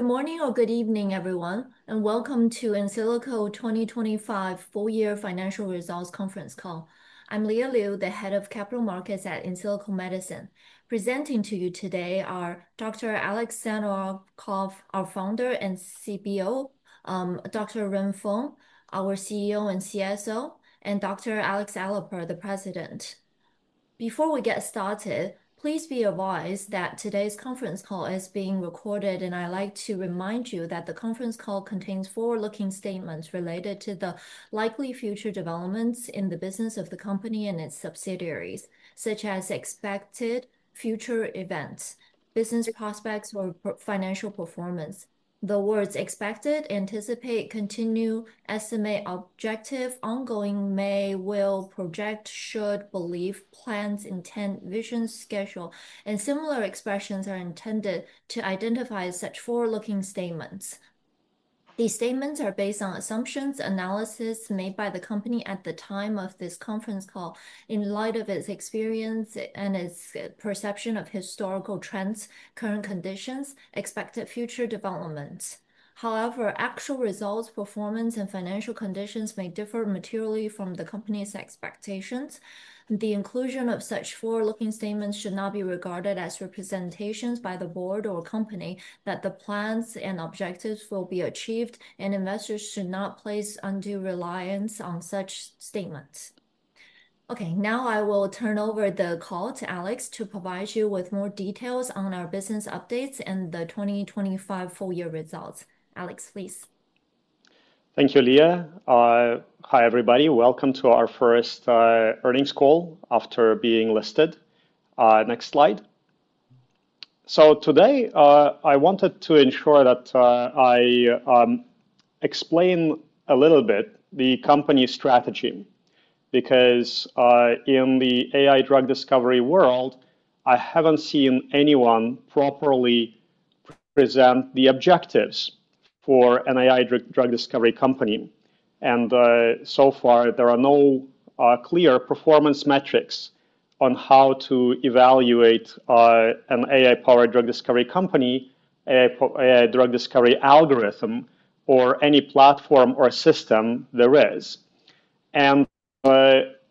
Good morning or good evening, everyone, and welcome to InSilico 2025 full year financial results conference call. I'm Leah Liu, the Head of Capital Markets at InSilico Medicine. Presenting to you today are Dr. Alex Zhavoronkov, our Founder and CBO, Dr. Ren Feng, our CEO and CSO, and Dr. Alex Aliper, the President. Before we get started, please be advised that today's conference call is being recorded. I like to remind you that the conference call contains forward-looking statements related to the likely future developments in the business of the company and its subsidiaries, such as expected future events, business prospects, or financial performance. The words expected, anticipate, continue, estimate, objective, ongoing, may, will, project, should, believe, plans, intent, vision, schedule, and similar expressions are intended to identify such forward-looking statements. These statements are based on assumptions, analysis made by the company at the time of this conference call in light of its experience and its perception of historical trends, current conditions, expected future developments. However, actual results, performance, and financial conditions may differ materially from the company's expectations. The inclusion of such forward-looking statements should not be regarded as representations by the board or company that the plans and objectives will be achieved. Investors should not place undue reliance on such statements. Okay, now I will turn over the call to Alex to provide you with more details on our business updates and the 2025 full-year results. Alex, please. Thank you, Leah. Hi, everybody. Welcome to our first earnings call after being listed. Next slide. Today, I wanted to ensure that I explain a little bit the company strategy, because in the AI drug discovery world, I haven't seen anyone properly present the objectives for an AI drug discovery company. So far, there are no clear performance metrics on how to evaluate an AI-powered drug discovery company, AI drug discovery algorithm, or any platform or system there is.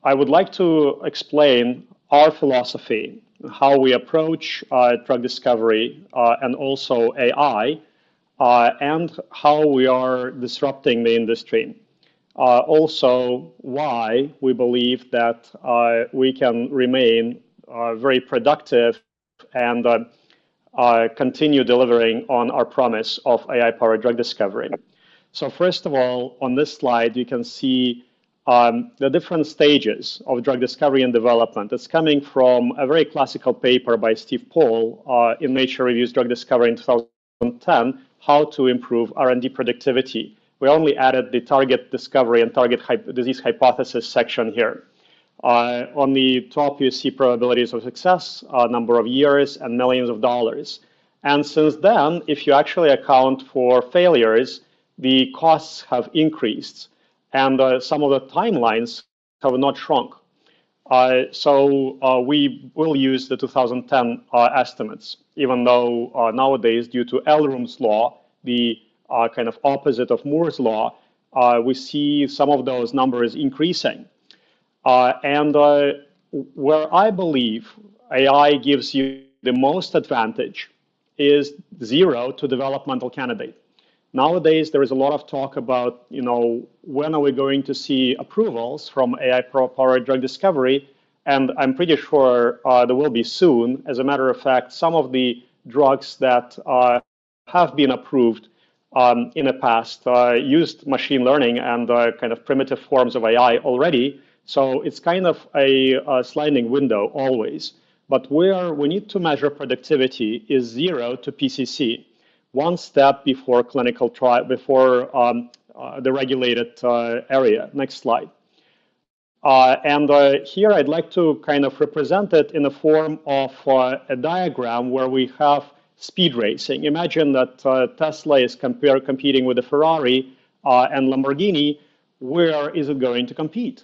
I would like to explain our philosophy, how we approach drug discovery, and also AI, and how we are disrupting the industry. Also, why we believe that we can remain very productive and continue delivering on our promise of AI-powered drug discovery. First of all, on this slide, you can see the different stages of drug discovery and development. That's coming from a very classical paper by Steve Paul in Nature Reviews Drug Discovery in 2010, "How to Improve R&D Productivity." We only added the target discovery and target disease hypothesis section here. On the top, you see probabilities of success, number of years, and millions of dollars. Since then, if you actually account for failures, the costs have increased and some of the timelines have not shrunk. We will use the 2010 estimates, even though nowadays, due to Eroom's law, the kind of opposite of Moore's law, we see some of those numbers increasing. Where I believe AI gives you the most advantage is zero to developmental candidate. Nowadays, there is a lot of talk about when are we going to see approvals from AI-powered drug discovery. I'm pretty sure there will be soon. As a matter of fact, some of the drugs that have been approved in the past used machine learning and kind of primitive forms of AI already. It's kind of a sliding window always. Where we need to measure productivity is zero to PCC, one step before the regulated area. Next slide. Here I'd like to kind of represent it in the form of a diagram where we have speed racing. Imagine that Tesla is competing with a Ferrari and Lamborghini. Where is it going to compete?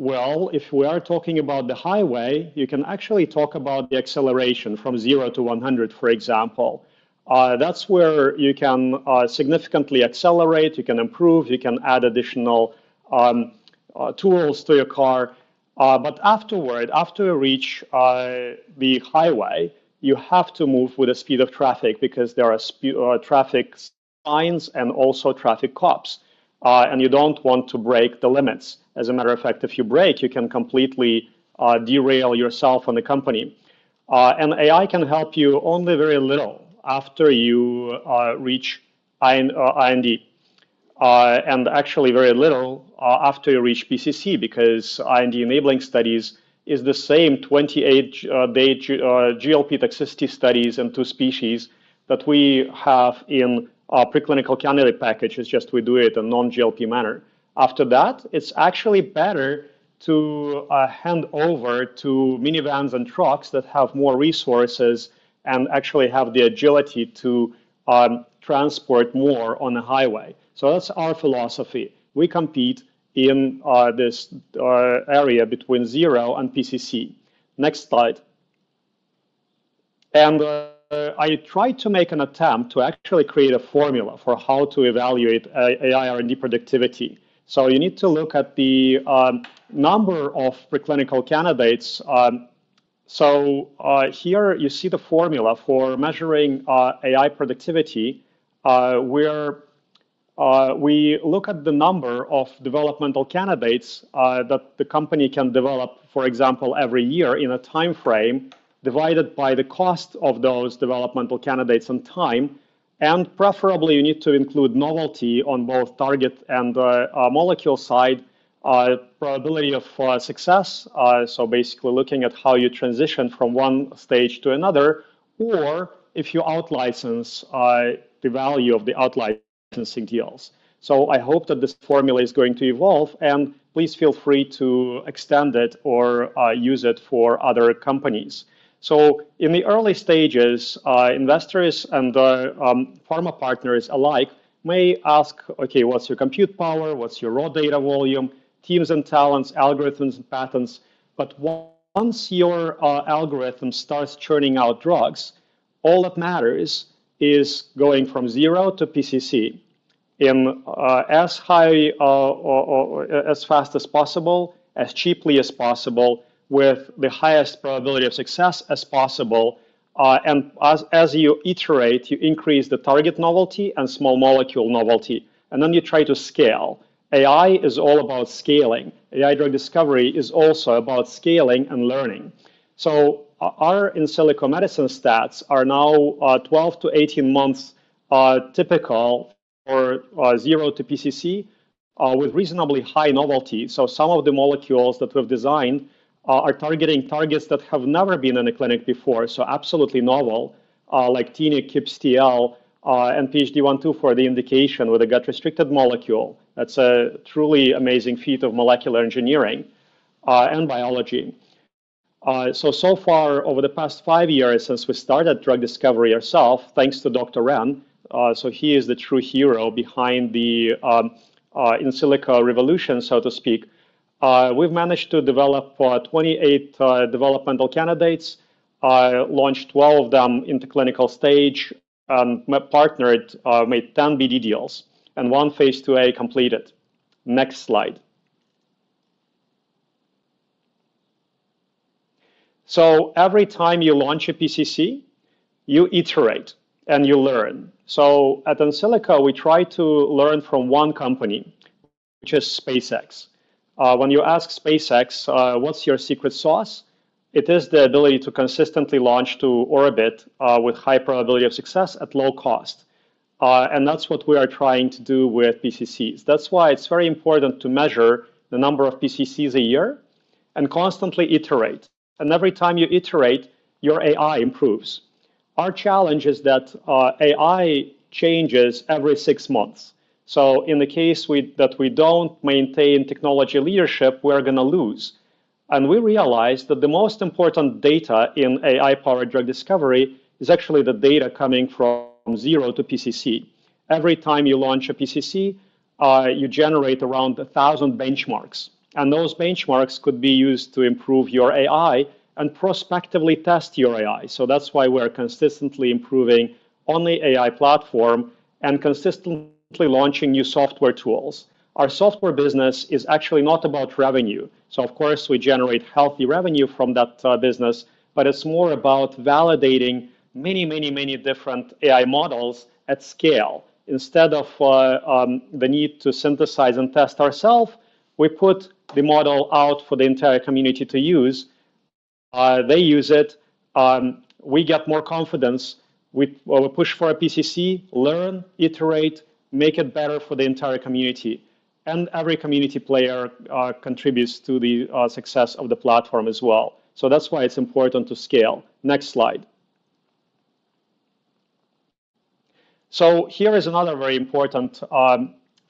Well, if we are talking about the highway, you can actually talk about the acceleration from zero to 100, for example. That's where you can significantly accelerate, you can improve, you can add additional tools to your car. Afterward, after you reach the highway, you have to move with the speed of traffic because there are traffic signs and also traffic cops. You don't want to break the limits. As a matter of fact, if you break, you can completely derail yourself and the company. AI can help you only very little after you reach IND. Actually very little after you reach PCC, because IND-enabling studies is the same 28-day GLP toxicity studies in two species that we have in our preclinical candidate package. It's just we do it in non-GLP manner. After that, it's actually better to hand over to minivans and trucks that have more resources and actually have the agility to transport more on a highway. That's our philosophy. We compete in this area between zero and PCC. Next slide. I tried to make an attempt to actually create a formula for how to evaluate AI R&D productivity. You need to look at the number of preclinical candidates. Here you see the formula for measuring AI productivity, where we look at the number of developmental candidates that the company can develop, for example, every year in a time frame, divided by the cost of those developmental candidates and time. Preferably you need to include novelty on both target and molecule side, probability of success, basically looking at how you transition from one stage to another, or if you out-license, the value of the out-licensing deals. I hope that this formula is going to evolve, and please feel free to extend it or use it for other companies. In the early stages, investors and pharma partners alike may ask, "Okay, what's your compute power? What's your raw data volume, teams and talents, algorithms and patents?" Once your algorithm starts churning out drugs, all that matters is going from zero to PCC in as fast as possible, as cheaply as possible, with the highest probability of success as possible. As you iterate, you increase the target novelty and small molecule novelty, and then you try to scale. AI is all about scaling. AI drug discovery is also about scaling and learning. Our InSilico Medicine stats are now 12 to 18 months typical for zero to PCC, with reasonably high novelty. Some of the molecules that we've designed are targeting targets that have never been in a clinic before, absolutely novel, like TNIK, QPCTL, and PHD1/2/4, the indication with a gut-restricted molecule. That's a truly amazing feat of molecular engineering and biology. So far, over the past five years since we started drug discovery ourself, thanks to Dr. Ren. He is the true hero behind the in silico revolution, so to speak. We've managed to develop 28 developmental candidates, launched 12 of them into clinical stage, made 10 BD deals, and one phase IIa completed. Next slide. Every time you launch a PCC, you iterate and you learn. At InSilico, we try to learn from one company, which is SpaceX. When you ask SpaceX, "What's your secret sauce?" It is the ability to consistently launch to orbit with high probability of success at low cost. That's what we are trying to do with PCCs. That's why it's very important to measure the number of PCCs a year and constantly iterate. Every time you iterate, your AI improves. Our challenge is that AI changes every six months. In the case that we don't maintain technology leadership, we're going to lose. We realized that the most important data in AI-powered drug discovery is actually the data coming from zero to PCC. Every time you launch a PCC, you generate around 1,000 benchmarks, and those benchmarks could be used to improve your AI and prospectively test your AI. That's why we're consistently improving on the AI platform and consistently launching new software tools. Our software business is actually not about revenue. Of course, we generate healthy revenue from that business, but it's more about validating many different AI models at scale. Instead of the need to synthesize and test ourself, we put the model out for the entire community to use. They use it, we get more confidence. We push for a PCC, learn, iterate, make it better for the entire community. Every community player contributes to the success of the platform as well. That's why it's important to scale. Next slide. Here is another very important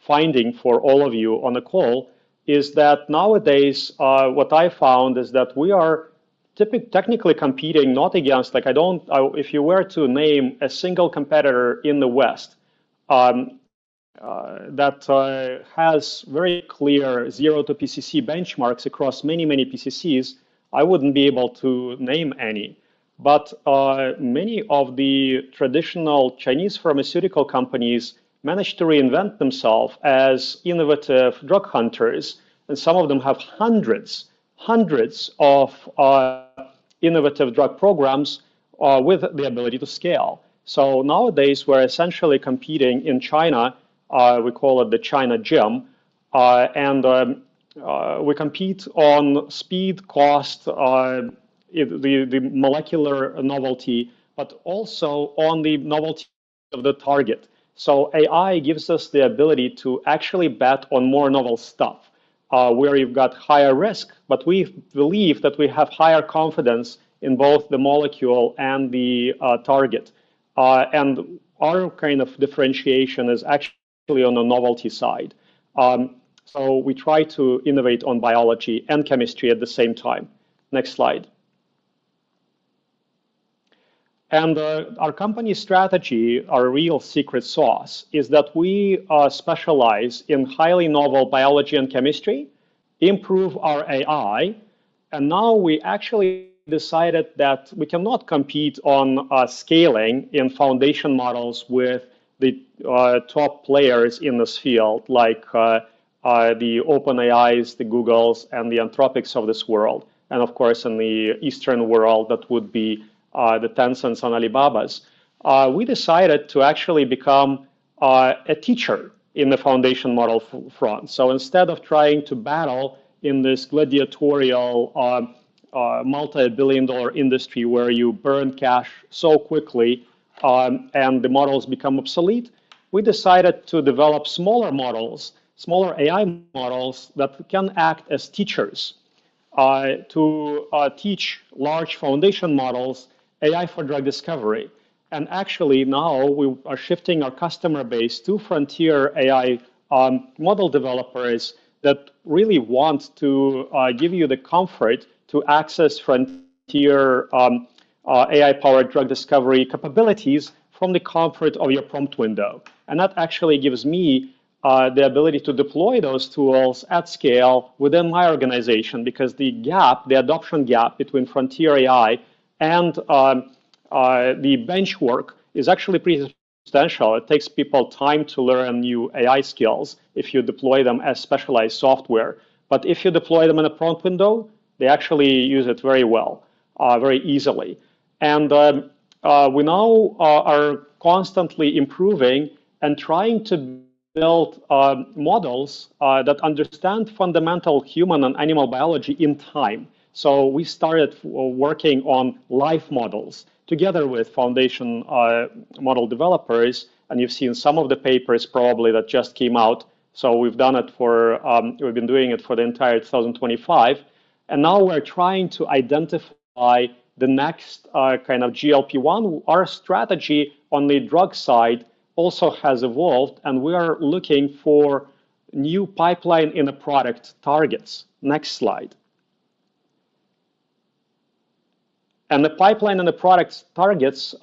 finding for all of you on the call, is that nowadays, what I found is that we are technically competing not against If you were to name a single competitor in the West that has very clear zero-to-PCC benchmarks across many PCCs, I wouldn't be able to name any. Many of the traditional Chinese pharmaceutical companies managed to reinvent themselves as innovative drug hunters, and some of them have hundreds of innovative drug programs with the ability to scale. Nowadays, we're essentially competing in China. We call it the China gym. We compete on speed, cost, the molecular novelty, but also on the novelty of the target. AI gives us the ability to actually bet on more novel stuff, where you've got higher risk. We believe that we have higher confidence in both the molecule and the target. Our kind of differentiation is actually on the novelty side. We try to innovate on biology and chemistry at the same time. Next slide. Our company's strategy, our real secret sauce, is that we specialize in highly novel biology and chemistry, improve our AI, and now we actually decided that we cannot compete on scaling in foundation models with the top players in this field like the OpenAIs, the Googles, and the Anthropic of this world. Of course, in the Eastern world, that would be the Tencents and Alibabas. Instead of trying to battle in this gladiatorial multi-billion dollar industry where you burn cash so quickly, and the models become obsolete, we decided to develop smaller AI models that can act as teachers to teach large foundation models AI for drug discovery. Actually now we are shifting our customer base to frontier AI model developers that really want to give you the comfort to access frontier AI-powered drug discovery capabilities from the comfort of your prompt window. That actually gives me the ability to deploy those tools at scale within my organization because the adoption gap between frontier AI and the bench work is actually pretty substantial. It takes people time to learn new AI skills if you deploy them as specialized software. If you deploy them in a prompt window, they actually use it very well, very easily. We now are constantly improving and trying to build models that understand fundamental human and animal biology in time. We started working on life models together with foundation model developers, and you've seen some of the papers probably that just came out. We've been doing it for the entire 2025, and now we're trying to identify the next kind of GLP-1. Our strategy on the drug side also has evolved, and we are looking for new pipeline in the product targets. Next slide. The pipeline in the product targets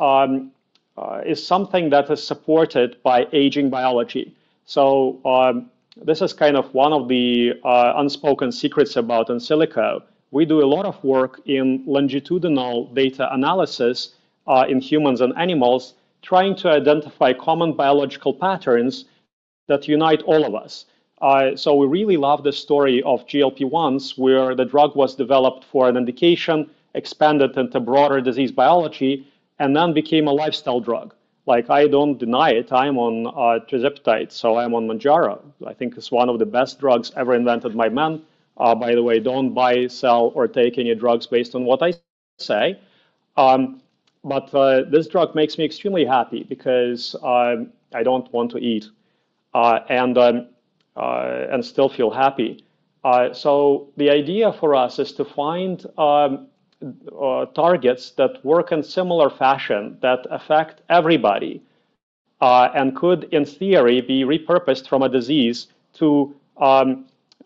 is something that is supported by aging biology. This is kind of one of the unspoken secrets about InSilico. We do a lot of work in longitudinal data analysis in humans and animals trying to identify common biological patterns that unite all of us. We really love the story of GLP-1s where the drug was developed for an indication, expanded into broader disease biology, and then became a lifestyle drug. I don't deny it. I'm on tirzepatide, so I'm on Mounjaro. I think it's one of the best drugs ever invented by man. By the way, don't buy, sell, or take any drugs based on what I say. This drug makes me extremely happy because I don't want to eat and still feel happy. The idea for us is to find targets that work in similar fashion that affect everybody, and could in theory, be repurposed from a disease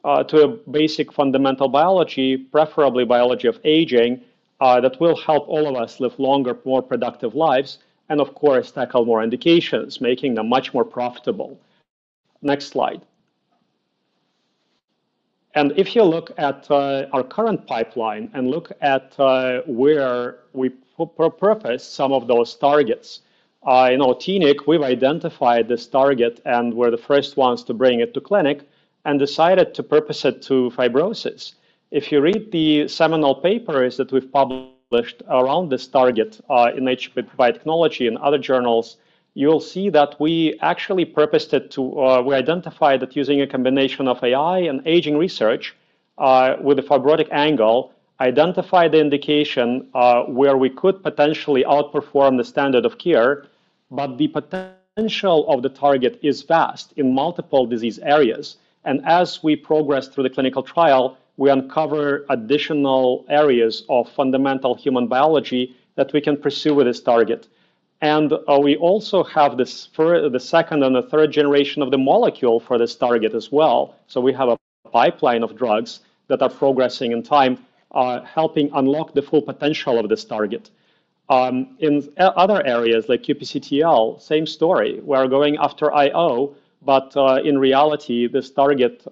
to a basic fundamental biology, preferably biology of aging, that will help all of us live longer, more productive lives, and of course, tackle more indications, making them much more profitable. Next slide. If you look at our current pipeline and look at where we purpose some of those targets. In oncology, we've identified this target and we're the first ones to bring it to clinic and decided to purpose it to fibrosis. If you read the seminal papers that we've published around this target in Nature Biotechnology and other journals, you'll see that we actually identified it using a combination of AI and aging research, with a fibrotic angle, identified the indication where we could potentially outperform the standard of care, but the potential of the target is vast in multiple disease areas. As we progress through the clinical trial, we uncover additional areas of fundamental human biology that we can pursue with this target. We also have the second and the third generation of the molecule for this target as well. We have a pipeline of drugs that are progressing in time, helping unlock the full potential of this target. In other areas like QPCTL, same story. We are going after IO, but in reality, this target,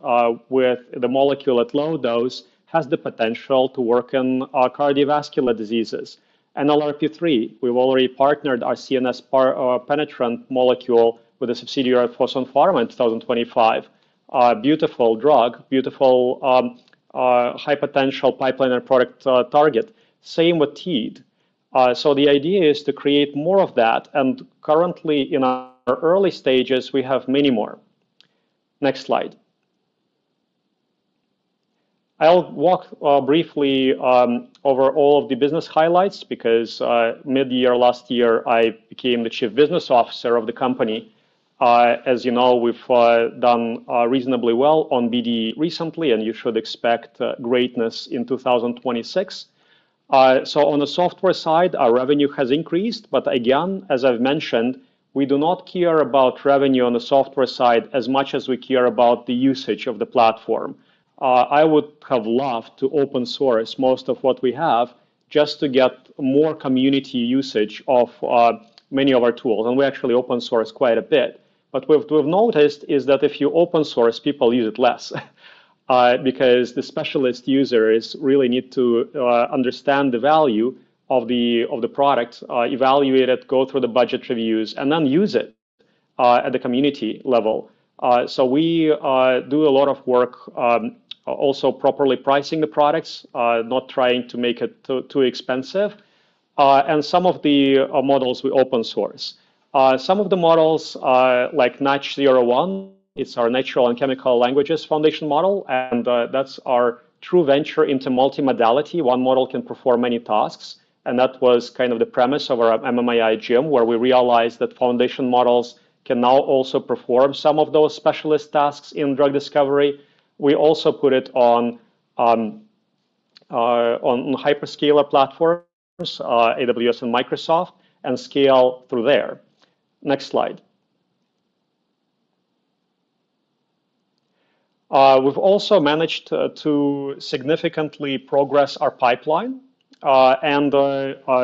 with the molecule at low dose, has the potential to work in cardiovascular diseases. IRAK3, we've already partnered our CNS penetrant molecule with a subsidiary of Fosun Pharma in 2025. Beautiful drug, beautiful high potential pipeline and product target. Same with TEAD. The idea is to create more of that, currently in our early stages, we have many more. Next slide. I'll walk briefly over all of the business highlights because mid-year last year, I became the Chief Business Officer of the company. As you know, we've done reasonably well on BD recently, you should expect greatness in 2026. On the software side, our revenue has increased, but again, as I've mentioned, we do not care about revenue on the software side as much as we care about the usage of the platform. I would have loved to open source most of what we have. Just to get more community usage of many of our tools. We actually open source quite a bit. What we've noticed is that if you open source, people use it less, because the specialist users really need to understand the value of the product, evaluate it, go through the budget reviews, then use it at the community level. We do a lot of work also properly pricing the products, not trying to make it too expensive. Some of the models we open source. Some of the models, like Nach01, it's our natural and chemical languages foundation model, that's our true venture into multimodality. One model can perform many tasks, that was kind of the premise of our MMAI Gym, where we realized that foundation models can now also perform some of those specialist tasks in drug discovery. We also put it on hyperscaler platforms, AWS and Microsoft, scale through there. Next slide. We've also managed to significantly progress our pipeline.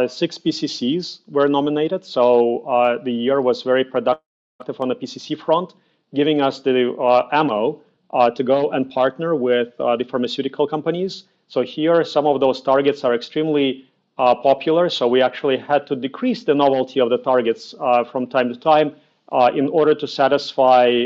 Six PCCs were nominated, the year was very productive on the PCC front, giving us the ammo to go and partner with the pharmaceutical companies. Here, some of those targets are extremely popular, we actually had to decrease the novelty of the targets from time to time in order to satisfy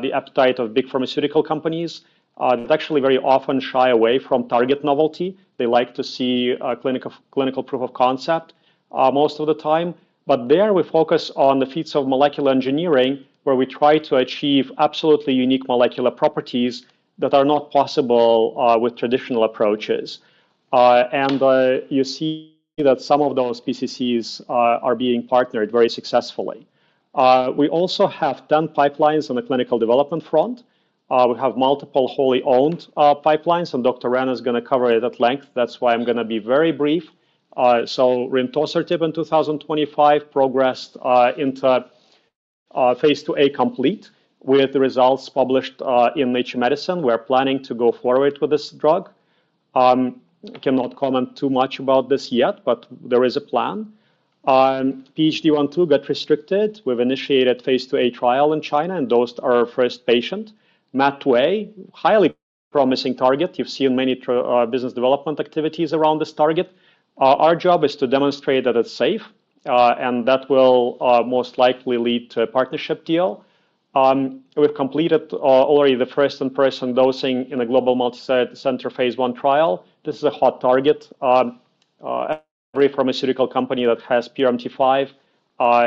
the appetite of big pharmaceutical companies, that actually very often shy away from target novelty. They like to see clinical proof of concept most of the time. There, we focus on the feats of molecular engineering, where we try to achieve absolutely unique molecular properties that are not possible with traditional approaches. You see that some of those PCCs are being partnered very successfully. We also have done pipelines on the clinical development front. We have multiple wholly owned pipelines, and Dr. Ren is going to cover it at length. That's why I'm going to be very brief. Rentosertib in 2025 progressed into phase IIa complete with the results published in "Nature Medicine." We're planning to go forward with this drug. I cannot comment too much about this yet, but there is a plan. PHD1/2 got restricted. We've initiated phase IIa trial in China and dosed our first patient. MAT2A, highly promising target. You've seen many business development activities around this target. Our job is to demonstrate that it's safe. That will most likely lead to a partnership deal. We've completed already the first-in-person dosing in a global multi-center phase I trial. This is a hot target. Every pharmaceutical company that has PRMT5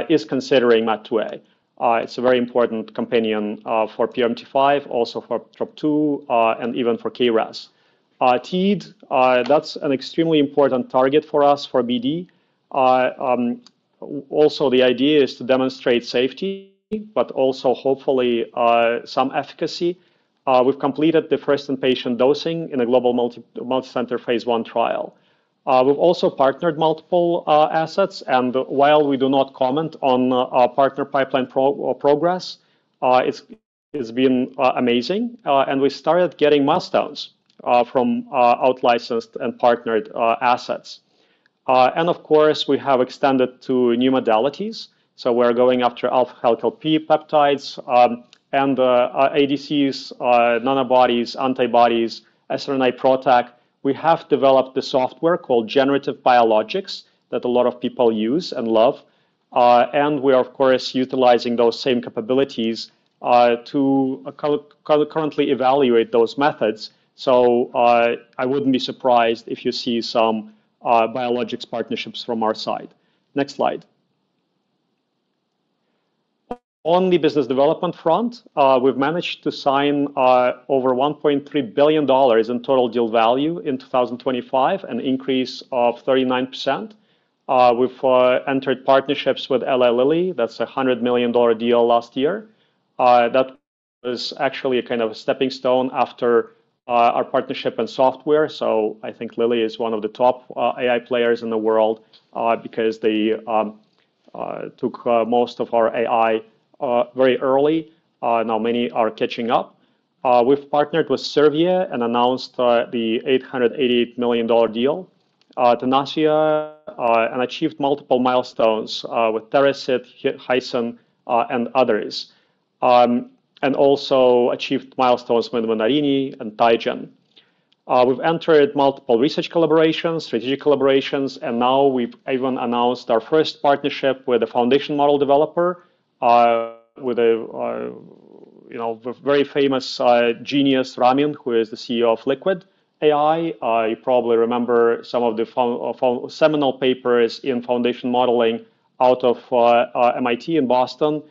is considering MAT2A. It's a very important companion for PRMT5, also for TROP2, and even for KRAS. TEAD. That's an extremely important target for us for BD. The idea is to demonstrate safety, but also hopefully some efficacy. We've completed the first inpatient dosing in a global multi-center phase I trial. We've also partnered multiple assets, and while we do not comment on our partner pipeline progress, it's been amazing. We started getting milestones from out-licensed and partnered assets. Of course, we have extended to new modalities. We're going after alpha-helical peptides and ADCs, nanobodies, antibodies, siRNA/PROTAC. We have developed the software called Generative Biologics that a lot of people use and love. We are, of course, utilizing those same capabilities to concurrently evaluate those methods. I wouldn't be surprised if you see some biologics partnerships from our side. Next slide. On the business development front, we've managed to sign over $1.3 billion in total deal value in 2025, an increase of 39%. We've entered partnerships with Eli Lilly. That's a $100 million deal last year. That was actually a kind of a stepping stone after our partnership and software. I think Lilly is one of the top AI players in the world because they took most of our AI very early. Now many are catching up. We've partnered with Servier and announced the $888 million deal. Tenacia and achieved multiple milestones with [TheraSi], Eisai, and others. Also achieved milestones with Menarini and TaiGen. We've entered multiple research collaborations, strategic collaborations. Now we've even announced our first partnership with a foundation model developer, with a very famous genius, Ramin, who is the CEO of Liquid AI. You probably remember some of the seminal papers in foundation modeling out of MIT in Boston,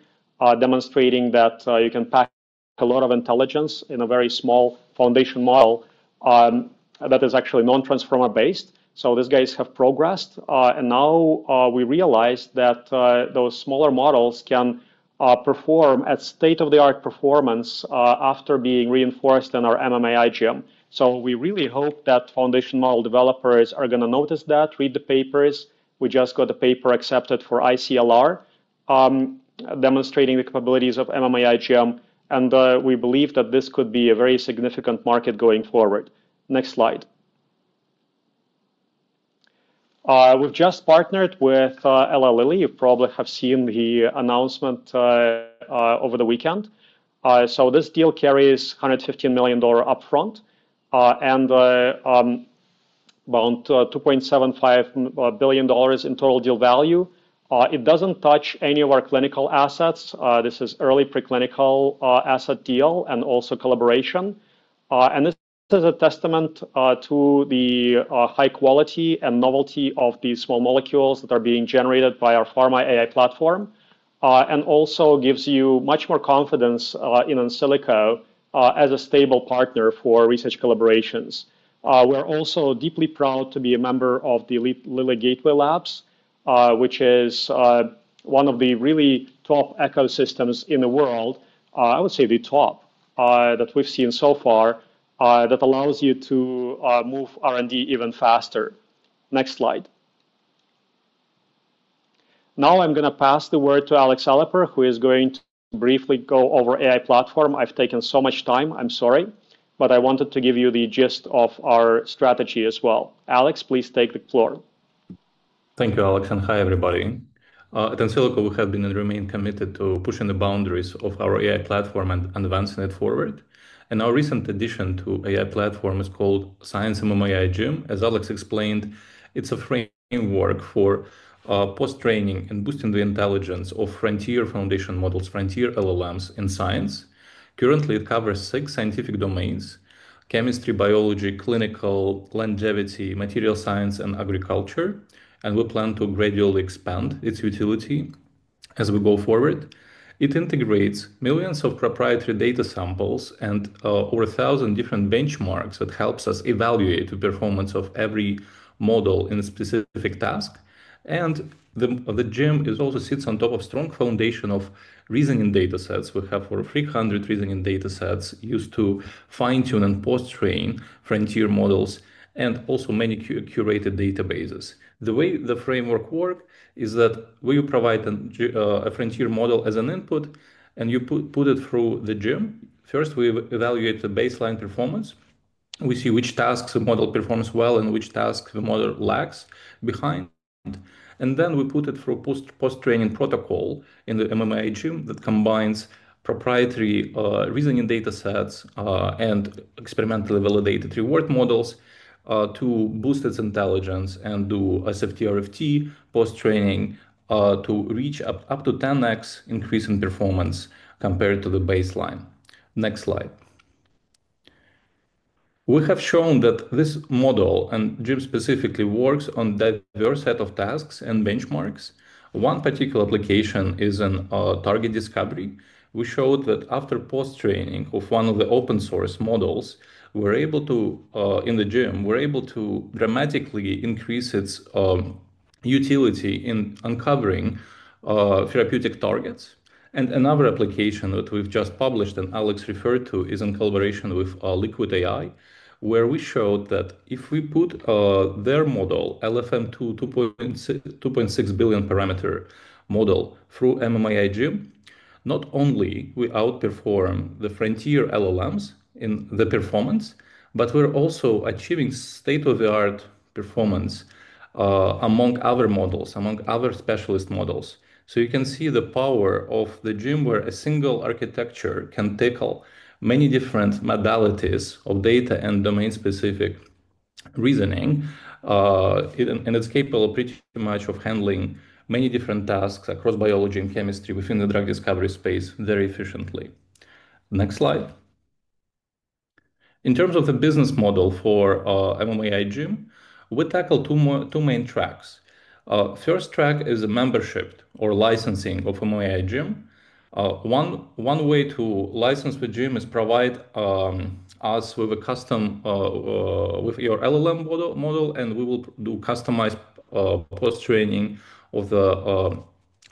demonstrating that you can pack a lot of intelligence in a very small foundation model that is actually non-transformer based. These guys have progressed. Now we realize that those smaller models can perform at state-of-the-art performance after being reinforced in our MMAI Gym. We really hope that foundation model developers are going to notice that, read the papers. We just got a paper accepted for ICLR demonstrating the capabilities of MMAI Gym, and we believe that this could be a very significant market going forward. Next slide. We've just partnered with Eli Lilly. You probably have seen the announcement over the weekend. This deal carries $150 million upfront, and about $2.75 billion in total deal value. It doesn't touch any of our clinical assets. This is early preclinical asset deal, and also collaboration. This is a testament to the high quality and novelty of these small molecules that are being generated by our Pharma.AI platform, and also gives you much more confidence in InSilico as a stable partner for research collaborations. We're also deeply proud to be a member of the Lilly Gateway Labs, which is one of the really top ecosystems in the world, I would say the top, that we've seen so far, that allows you to move R&D even faster. Next slide. Now I'm going to pass the word to Alex Aliper, who is going to briefly go over AI platform. I've taken so much time. I'm sorry. I wanted to give you the gist of our strategy as well. Alex, please take the floor. Thank you, Alex, and hi, everybody. At InSilico, we have been and remain committed to pushing the boundaries of our AI platform and advancing it forward. Our recent addition to AI platform is called Science MMAI Gym. As Alex explained, it's a framework for post-training and boosting the intelligence of frontier foundation models, frontier LLMs in science. Currently, it covers six scientific domains: chemistry, biology, clinical, longevity, material science, and agriculture. We plan to gradually expand its utility as we go forward. It integrates millions of proprietary data samples and over 1,000 different benchmarks that helps us evaluate the performance of every model in a specific task. The Gym also sits on top of strong foundation of reasoning datasets. We have over 300 reasoning datasets used to fine-tune and post-train frontier models and also many curated databases. The way the framework work is that we provide a frontier model as an input, you put it through the Gym. First, we evaluate the baseline performance. We see which tasks the model performs well and which tasks the model lags behind. Then we put it through a post-training protocol in the MMAI Gym that combines proprietary reasoning datasets and experimentally validated reward models to boost its intelligence and do SFT, RFT post-training to reach up to 10x increase in performance compared to the baseline. Next slide. We have shown that this model, and Gym specifically, works on diverse set of tasks and benchmarks. One particular application is in target discovery. We showed that after post-training of one of the open source models, in the Gym, we're able to dramatically increase its utility in uncovering therapeutic targets. Another application that we've just published, Alex referred to, is in collaboration with Liquid AI, where we showed that if we put their model, LFM 2.6 billion parameter model, through MMAI Gym, not only we outperform the frontier LLMs in the performance, but we're also achieving state-of-the-art performance among other models, among other specialist models. You can see the power of the Gym, where a single architecture can tackle many different modalities of data and domain-specific reasoning. It's capable pretty much of handling many different tasks across biology and chemistry within the drug discovery space very efficiently. Next slide. In terms of the business model for MMAI Gym, we tackle 2 main tracks. First track is a membership or licensing of MMAI Gym. One way to license the Gym is provide us with your LLM model, we will do customized post-training of the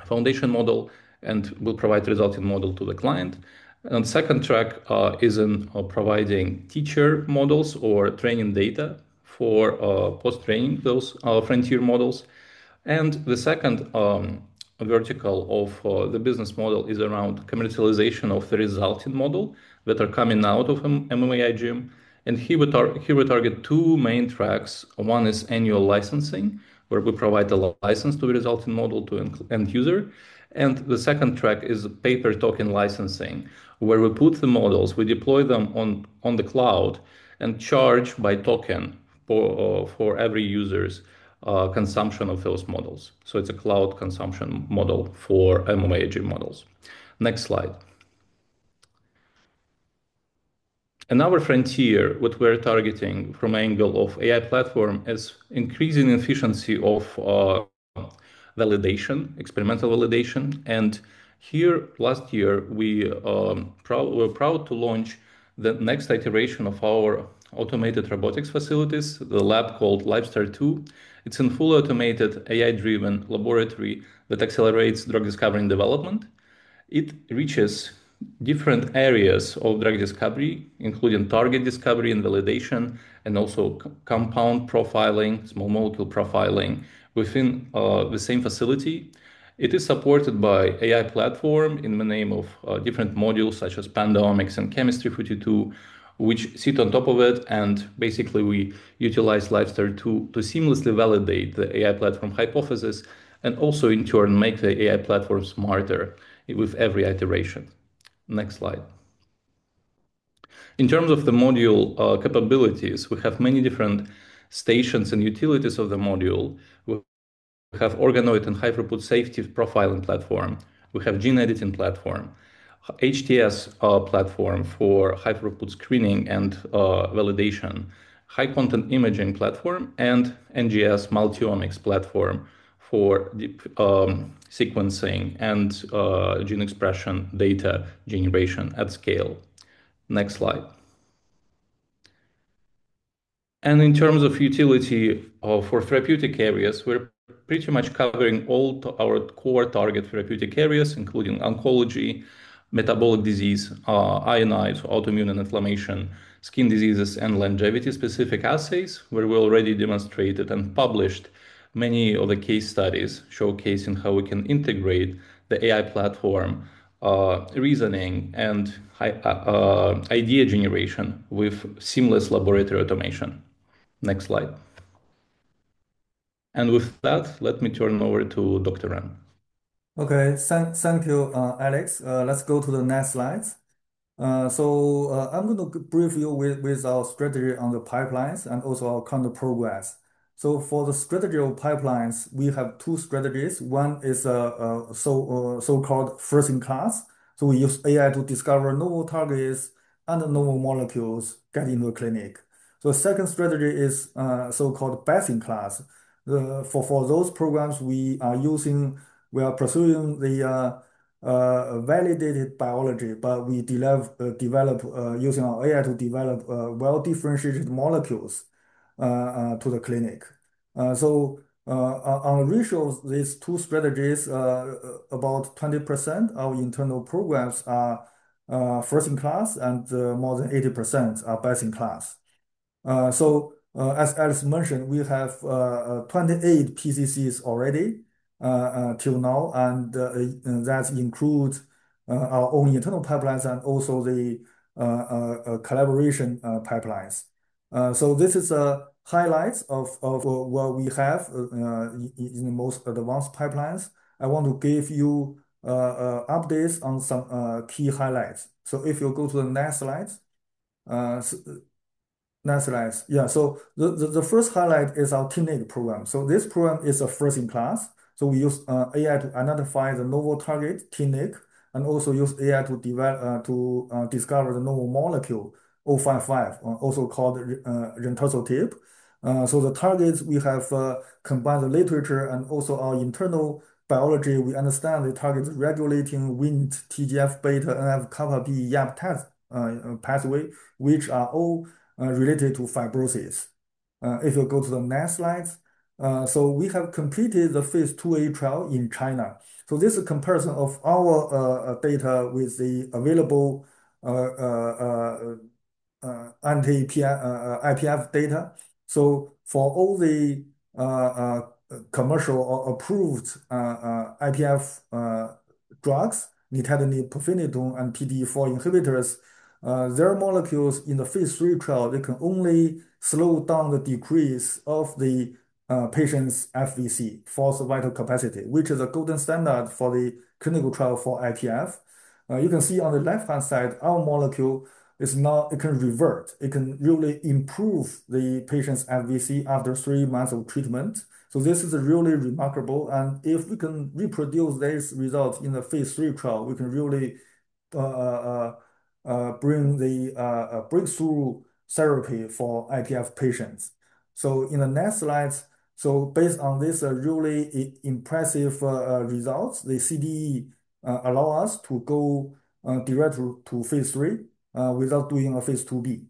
foundation model and will provide the resulting model to the client. Second track is in providing teacher models or training data for post-training those frontier models. The second vertical of the business model is around commercialization of the resulting model that are coming out of MMAI Gym. Here we target 2 main tracks. One is annual licensing, where we provide the license to the resulting model to end user. The second track is pay-per-token licensing, where we put the models, we deploy them on the cloud and charge by token for every user's consumption of those models. It's a cloud consumption model for MMAI Gym models. Next slide. Another frontier that we're targeting from angle of AI platform is increasing efficiency of experimental validation. Here, last year, we were proud to launch the next iteration of our automated robotics facilities, the lab called LifeStar 2. It's in full automated, AI-driven laboratory that accelerates drug discovery and development. It reaches different areas of drug discovery, including target discovery and validation, and also compound profiling, small molecule profiling within the same facility. It is supported by AI platform in the name of different modules such as PandaOmics and Chemistry42, which sit on top of it, and basically, we utilize LifeStar to seamlessly validate the AI platform hypothesis and also, in turn, make the AI platform smarter with every iteration. Next slide. In terms of the module capabilities, we have many different stations and utilities of the module. We have organoid and high-throughput safety profiling platform. We have gene editing platform, HTS platform for high-throughput screening and validation, high-content imaging platform, and NGS multiomics platform for deep sequencing and gene expression data generation at scale. Next slide. In terms of utility for therapeutic areas, we're pretty much covering all our core target therapeutic areas, including oncology, metabolic disease, I&I, so autoimmune and inflammation, skin diseases, and longevity-specific assays, where we already demonstrated and published many of the case studies showcasing how we can integrate the AI platform, reasoning, and idea generation with seamless laboratory automation. Next slide. With that, let me turn over to Dr. Ren. Thank you, Alex. Let's go to the next slide. I'm going to brief you with our strategy on the pipelines and also our current progress. For the strategy of pipelines, we have two strategies. One is so-called first-in-class. We use AI to discover novel targets and novel molecules get into a clinic. Second strategy is so-called best-in-class. For those programs we are pursuing the validated biology, but we develop using our AI to develop well-differentiated molecules to the clinic. On ratio of these two strategies, about 20% of internal programs are first-in-class and more than 80% are best-in-class. As Alex mentioned, we have 28 PCCs already till now, and that includes our own internal pipelines and also the collaboration pipelines. This is a highlight of what we have in the most advanced pipelines. I want to give you updates on some key highlights. If you go to the next slide. Next slide. The first highlight is our TNIK program. This program is a first-in-class. We use AI to identify the novel target, TNIK, and also use AI to discover the novel molecule ISM001-055, also called Rentosertib. The targets, we have combined the literature and also our internal biology. We understand the targets regulating Wnt/TGF-beta/NF-κB/YAP pathway, which are all related to fibrosis. If you go to the next slide. We have completed the phase IIa trial in China. This is a comparison of our data with the available IPF data. For all the commercial or approved IPF drugs, nintedanib, pirfenidone, and PDE4 inhibitors, their molecules in the phase III trial, they can only slow down the decrease of the patient's FVC, forced vital capacity, which is a golden standard for the clinical trial for IPF. You can see on the left-hand side, our molecule, it can revert. It can really improve the patient's FVC after three months of treatment. This is really remarkable, and if we can reproduce this result in the phase III trial, we can really bring through therapy for IPF patients. In the next slide. Based on this really impressive results, the CDE allow us to go direct to phase III without doing a phase IIb.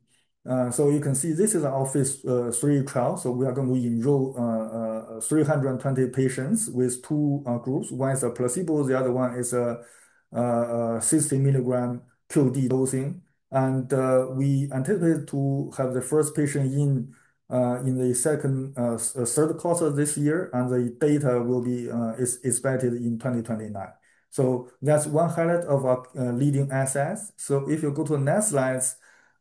You can see this is our phase III trial. We are going to enroll 320 patients with two groups. One is a placebo, the other one is a 60 milligram qod dosing. We anticipate to have the first patient in the third quarter of this year, and the data will be expected in 2029. That's one highlight of our leading assets. If you go to the next slide,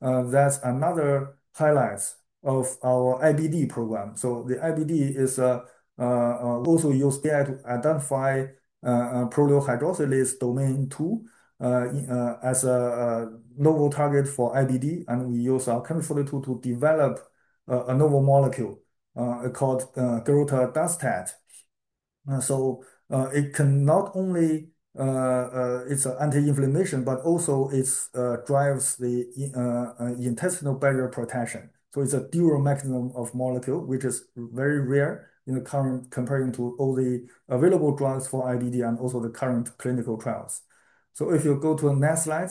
that's another highlight of our IBD program. The IBD is also use AI to identify prolyl hydroxylase domain 2 as a novel target for IBD, and we use our Chemistry42 tool to develop a novel molecule called Garutadustat. It can not only, it's an anti-inflammation, but also it drives the intestinal barrier protection. It's a dual mechanism of molecule, which is very rare comparing to all the available drugs for IBD and also the current clinical trials. If you go to the next slide.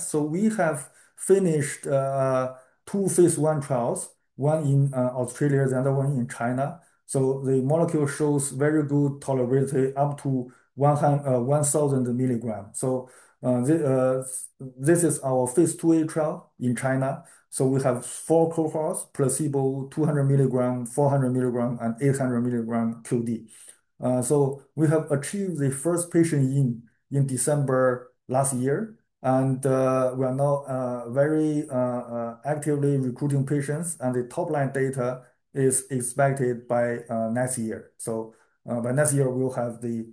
Finished 2 phase I trials, one in Australia, the other one in China. The molecule shows very good tolerability, up to 1,000 mg. This is our phase II-A trial in China. We have 4 cohorts, placebo, 200 mg, 400 mg, and 800 mg QD. We have achieved the 1st patient in December last year. We are now very actively recruiting patients, and the top-line data is expected by next year. By next year, we will have the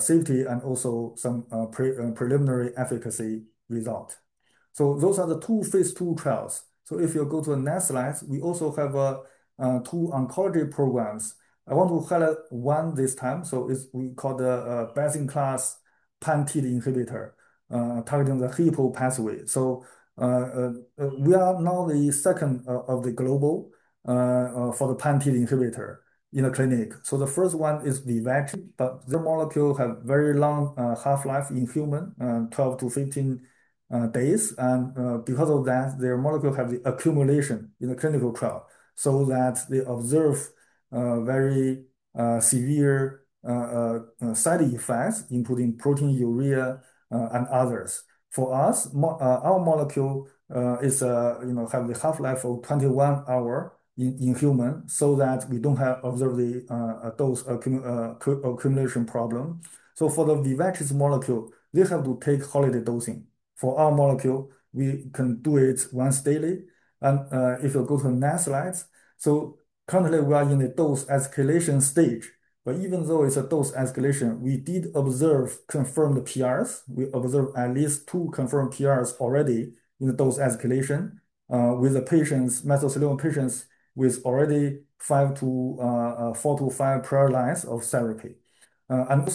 safety and also some preliminary efficacy result. Those are the 2 phase II trials. If you go to the next slide, we also have 2 oncology programs. I want to highlight one this time. We call the best-in-class pan-TEAD inhibitor, targeting the Hippo pathway. We are now the 2nd of the global for the pan-TEAD inhibitor in a clinic. The 1st one is Vivace, but the molecule have very long half-life in human, 12-15 days. Because of that, their molecule have the accumulation in the clinical trial, so that they observe very severe side effects, including proteinuria and others. For us, our molecule has the half-life of 21 hours in human so that we don't observe those accumulation problem. For the Vivace's molecule, they have to take holiday dosing. For our molecule, we can do it once daily. If you go to next slide. Currently we are in the dose escalation stage. Even though it's a dose escalation, we did observe confirmed PRs. We observed at least 2 confirmed PRs already in the dose escalation, with the mesothelioma patients with already 4-5 prior lines of therapy. Not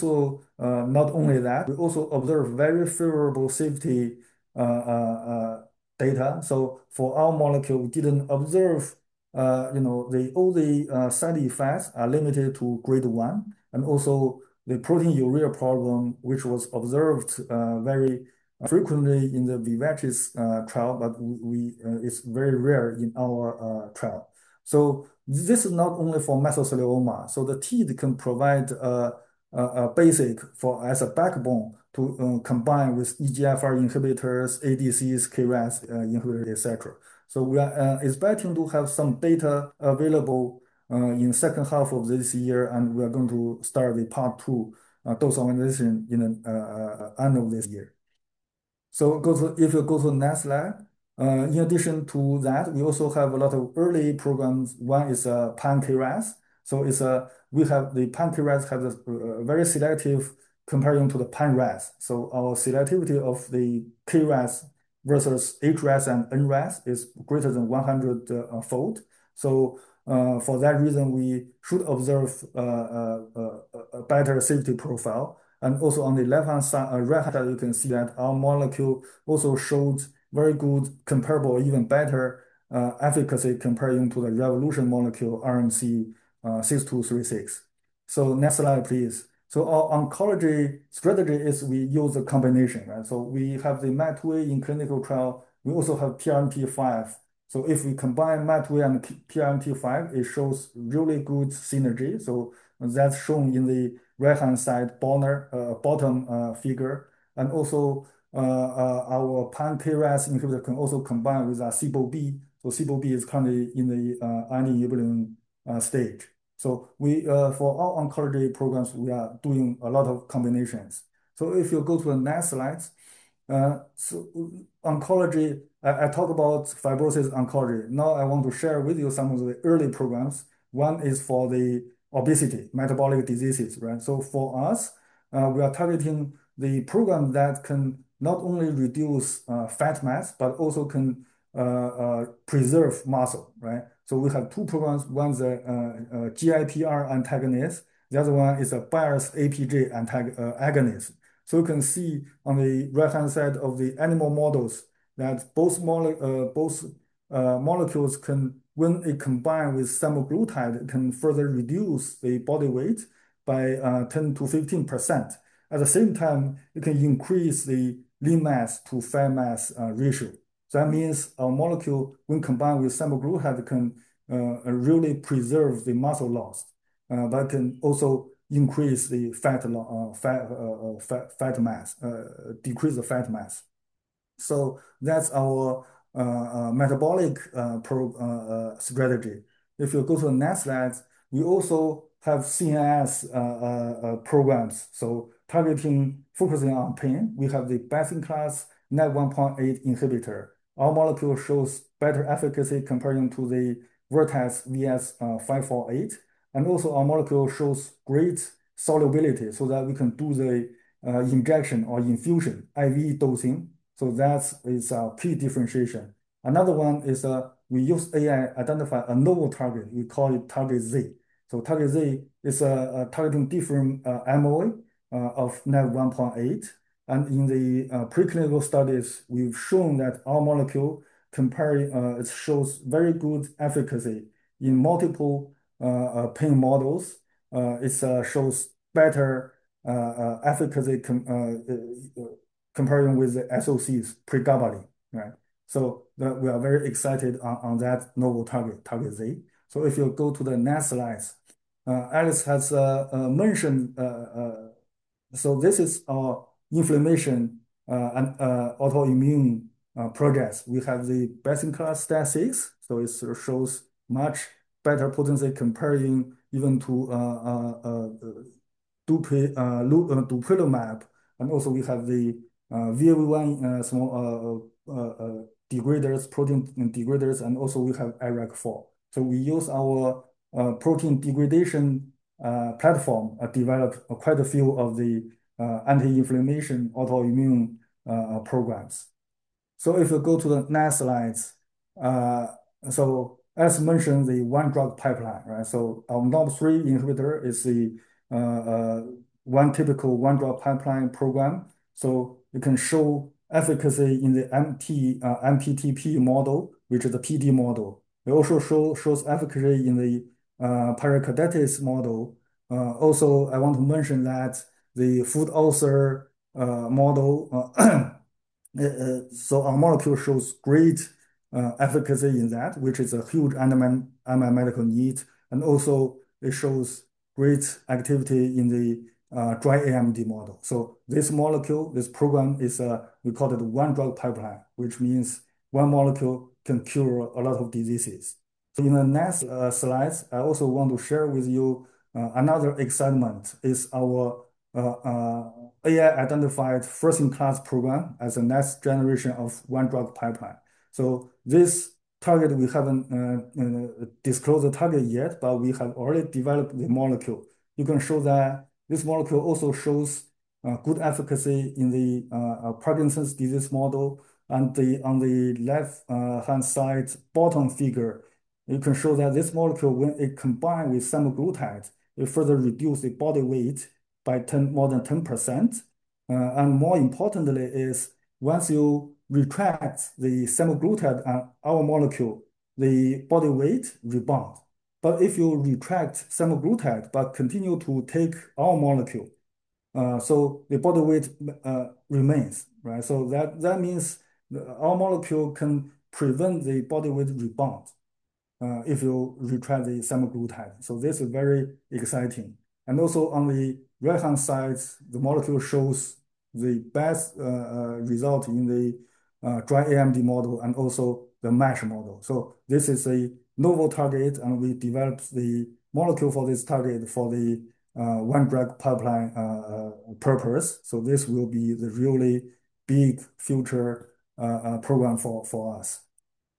only that, we also observe very favorable safety data. For our molecule, we didn't observe all the side effects are limited to grade 1, and also the proteinuria problem, which was observed very frequently in the Vivace's trial, but it's very rare in our trial. This is not only for mesothelioma. The TEAD can provide a basic as a backbone to combine with EGFR inhibitors, ADCs, KRAS inhibitors, et cetera. We are expecting to have some data available in 2nd half of this year, and we are going to start with part 2 dose-only in end of this year. If you go to next slide. In addition to that, we also have a lot of early programs. 1 is Pan-KRAS. The Pan-KRAS has a very selective comparing to the Pan-RAS. Our selectivity of the KRAS versus HRAS and NRAS is greater than 100-fold. For that reason, we should observe a better safety profile. On the right-hand side, you can see that our molecule also showed very good comparable or even better efficacy comparing to the Revolution molecule, RMC-6236. Next slide, please. Our oncology strategy is we use a combination, right? We have the MAT2A in clinical trial. We also have PRMT5. If we combine MAT2A and PRMT5, it shows really good synergy. That's shown in the right-hand side bottom figure. Our Pan-KRAS inhibitor can also combine with SHP2. SHP2 is currently in the early enabling stage. For our oncology programs, we are doing a lot of combinations. If you go to the next slide. Oncology, I talk about fibrosis oncology. Now I want to share with you some of the early programs. For us, we are targeting the program that can not only reduce fat mass, but also can preserve muscle, right? We have two programs. One is a GIPR antagonist. The other one is a bias APJ agonist. You can see on the right-hand side of the animal models that both molecules when it combine with semaglutide, it can further reduce the body weight by 10%-15%. At the same time, it can increase the lean mass to fat mass ratio. That means our molecule, when combined with semaglutide, can really preserve the muscle loss. That can also decrease the fat mass. That's our metabolic strategy. If you go to the next slide, we also have CNS programs. Targeting, focusing on pain, we have the best-in-class Nav1.8 inhibitor. Our molecule shows better efficacy comparing to the Vertex VX-548. Also our molecule shows great solubility so that we can do the injection or infusion, IV dosing. That is our key differentiation. Another one is, we use AI, identify a novel target. We call it Target Z. Target Z is targeting different amyloid of Nav1.8. In the preclinical studies, we've shown that our molecule, it shows very good efficacy in multiple pain models. It shows better efficacy comparing with the SOCs pregabalin. We are very excited on that novel target, Target Z. If you go to the next slides. Alex has mentioned, this is our inflammation and autoimmune programs. We have the best-in-class STAT6, it shows much better potency comparing even to dupilumab. Also we have the VAV1, small degraders, protein degraders, and also we have IRAK4. We use our protein degradation platform, developed quite a few of the anti-inflammation autoimmune programs. If you go to the next slides. As mentioned, the One Drug Pipeline, right? Our NOS3 inhibitor is the one typical One Drug Pipeline program. It can show efficacy in the MPTP model, which is a PD model. It also shows efficacy in the paracetamol hepatotoxicity model. Also, I want to mention that the foot ulcer model, our molecule shows great efficacy in that, which is a huge unmet medical need. Also it shows great activity in the dry AMD model. This molecule, this program is, we call it One Drug Pipeline, which means one molecule can cure a lot of diseases. In the next slides, I also want to share with you another excitement is our AI-identified first-in-class program as a next generation of One Drug Pipeline. This target, we haven't disclosed the target yet, but we have already developed the molecule. You can show that this molecule also shows good efficacy in the Parkinson's disease model. On the left-hand side bottom figure, you can show that this molecule, when it combine with semaglutide, it further reduce the body weight by more than 10%. More importantly is once you retract the semaglutide, our molecule, the body weight rebounds. If you retract semaglutide but continue to take our molecule, the body weight remains, right? That means our molecule can prevent the body weight rebound, if you retract the semaglutide. This is very exciting. Also on the right-hand side, the molecule shows the best result in the dry AMD model and also the mesothelioma model. This is a novel target, and we developed the molecule for this target for the One Drug Pipeline purpose. This will be the really big future program for us.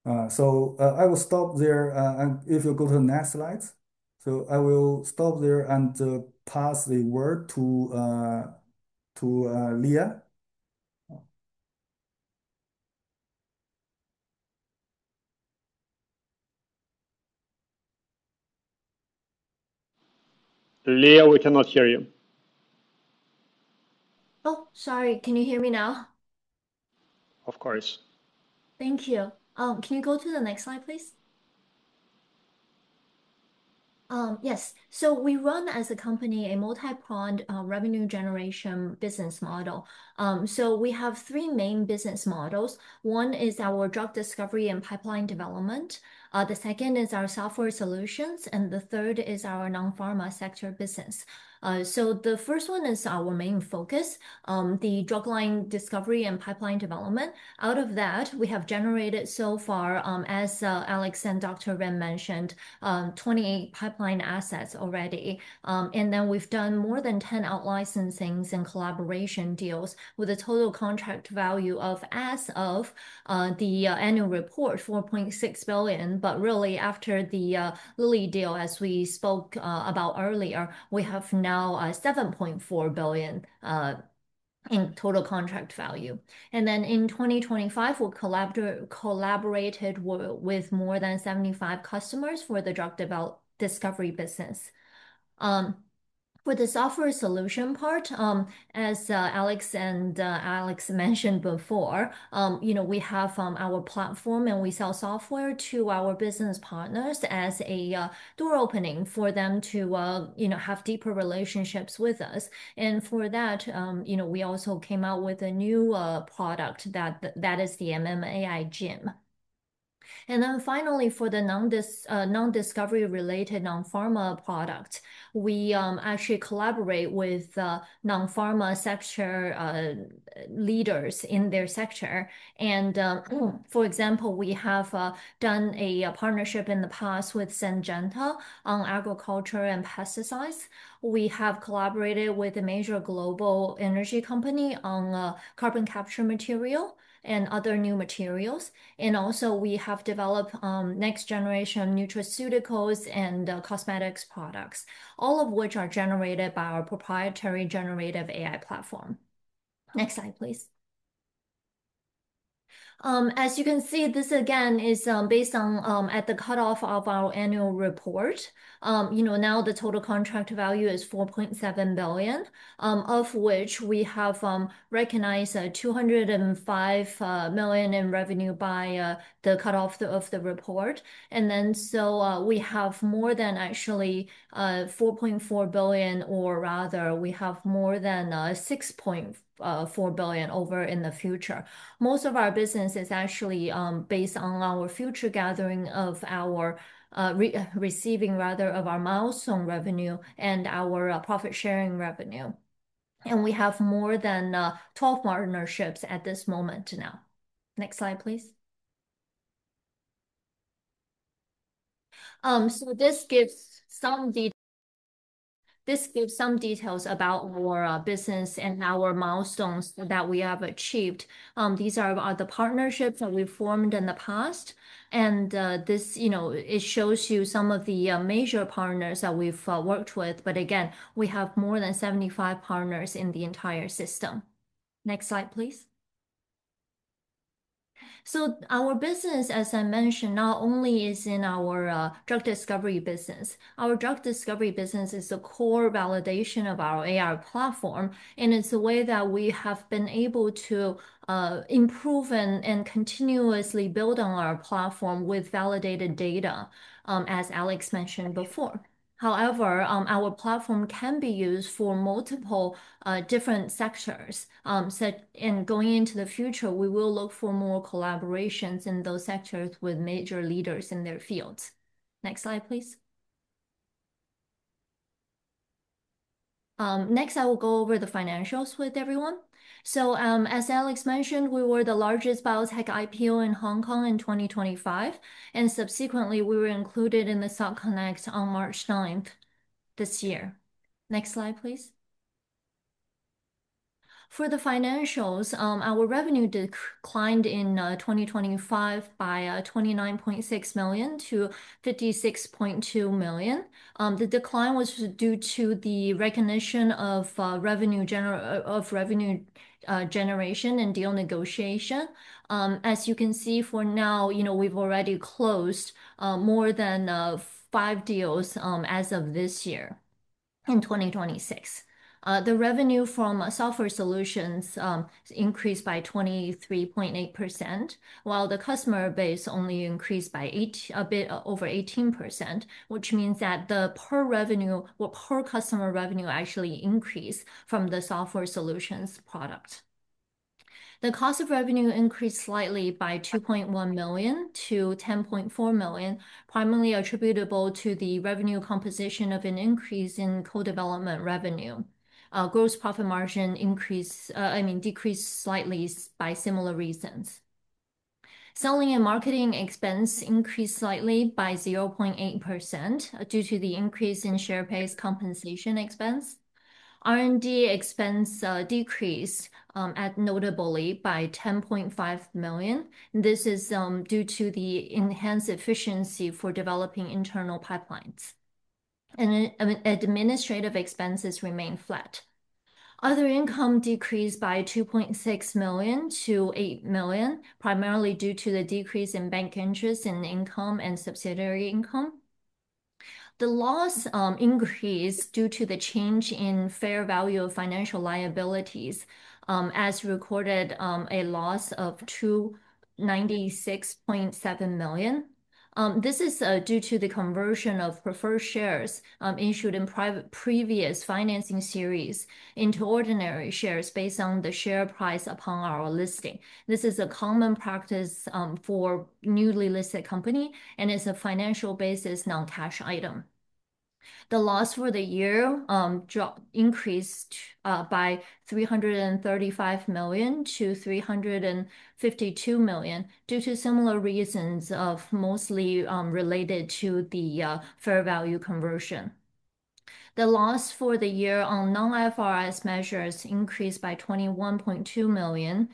I will stop there, and if you go to the next slide. I will stop there and pass the word to Leah. Leah, we cannot hear you. Sorry. Can you hear me now? Of course. Thank you. Can you go to the next slide, please? Yes. We run as a company a multi-pronged revenue generation business model. We have three main business models. One is our drug discovery and pipeline development. The second is our software solutions, and the third is our non-pharma sector business. The first one is our main focus, the drug line discovery and pipeline development. Out of that, we have generated so far, as Alex and Dr. Ren mentioned, 28 pipeline assets already. We have done more than 10 out-licensings and collaboration deals with a total contract value of, as of the annual report, $4.6 billion. But really after the Lilly deal, as we spoke about earlier, we have now $7.4 billion in total contract value. In 2025, we collaborated with more than 75 customers for the drug discovery business. For the software solution part, as Alex and Alex mentioned before, we have our platform and we sell software to our business partners as a door opening for them to have deeper relationships with us. For that, we also came out with a new product, that is the MMAI Gym. Finally, for the non-discovery related non-pharma product, we actually collaborate with non-pharma sector leaders in their sector. For example, we have done a partnership in the past with Syngenta on agriculture and pesticides. We have collaborated with a major global energy company on carbon capture material and other new materials. Also we have developed next generation nutraceuticals and cosmetics products, all of which are generated by our proprietary generative AI platform. Next slide, please. As you can see, this again, is based on, at the cutoff of our annual report. Now the total contract value is $4.7 billion, of which we have recognized $205 million in revenue by the cutoff of the report. We have more than actually $4.4 billion, or rather, we have more than $6.4 billion over in the future. Most of our business is actually based on our future gathering of our, receiving rather, of our milestone revenue and our profit-sharing revenue. We have more than 12 partnerships at this moment now. Next slide, please. This gives some details about our business and our milestones that we have achieved. These are the partnerships that we've formed in the past, and it shows you some of the major partners that we've worked with. Again, we have more than 75 partners in the entire system. Next slide, please. Our business, as I mentioned, not only is in our drug discovery business. Our drug discovery business is the core validation of our AI platform, and it's the way that we have been able to improve and continuously build on our platform with validated data, as Alex mentioned before. However, our platform can be used for multiple different sectors. In going into the future, we will look for more collaborations in those sectors with major leaders in their fields. Next slide, please. Next, I will go over the financials with everyone. As Alex mentioned, we were the largest biotech IPO in Hong Kong in 2025, and subsequently, we were included in the Stock Connect on March 9th this year. Next slide, please. For the financials, our revenue declined in 2025 by $29.6 million to $56.2 million. The decline was due to the recognition of revenue generation and deal negotiation. As you can see for now, we've already closed more than five deals as of this year in 2026. The revenue from software solutions increased by 23.8%, while the customer base only increased by a bit over 18%, which means that the per customer revenue actually increased from the software solutions product. The cost of revenue increased slightly by $2.1 million to $10.4 million, primarily attributable to the revenue composition of an increase in co-development revenue. Gross profit margin decreased slightly by similar reasons. Selling and marketing expense increased slightly by 0.8% due to the increase in share-based compensation expense. R&D expense decreased notably by $10.5 million. This is due to the enhanced efficiency for developing internal pipelines. Administrative expenses remained flat. Other income decreased by $2.6 million to $8 million, primarily due to the decrease in bank interest and income and subsidiary income. The loss increased due to the change in fair value of financial liabilities as recorded a loss of $296.7 million. This is due to the conversion of preferred shares issued in previous financing series into ordinary shares based on the share price upon our listing. This is a common practice for newly listed company and is a financial basis non-cash item. The loss for the year increased by $335 million to $352 million due to similar reasons of mostly related to the fair value conversion. The loss for the year on non-IFRS measures increased by $21.2 million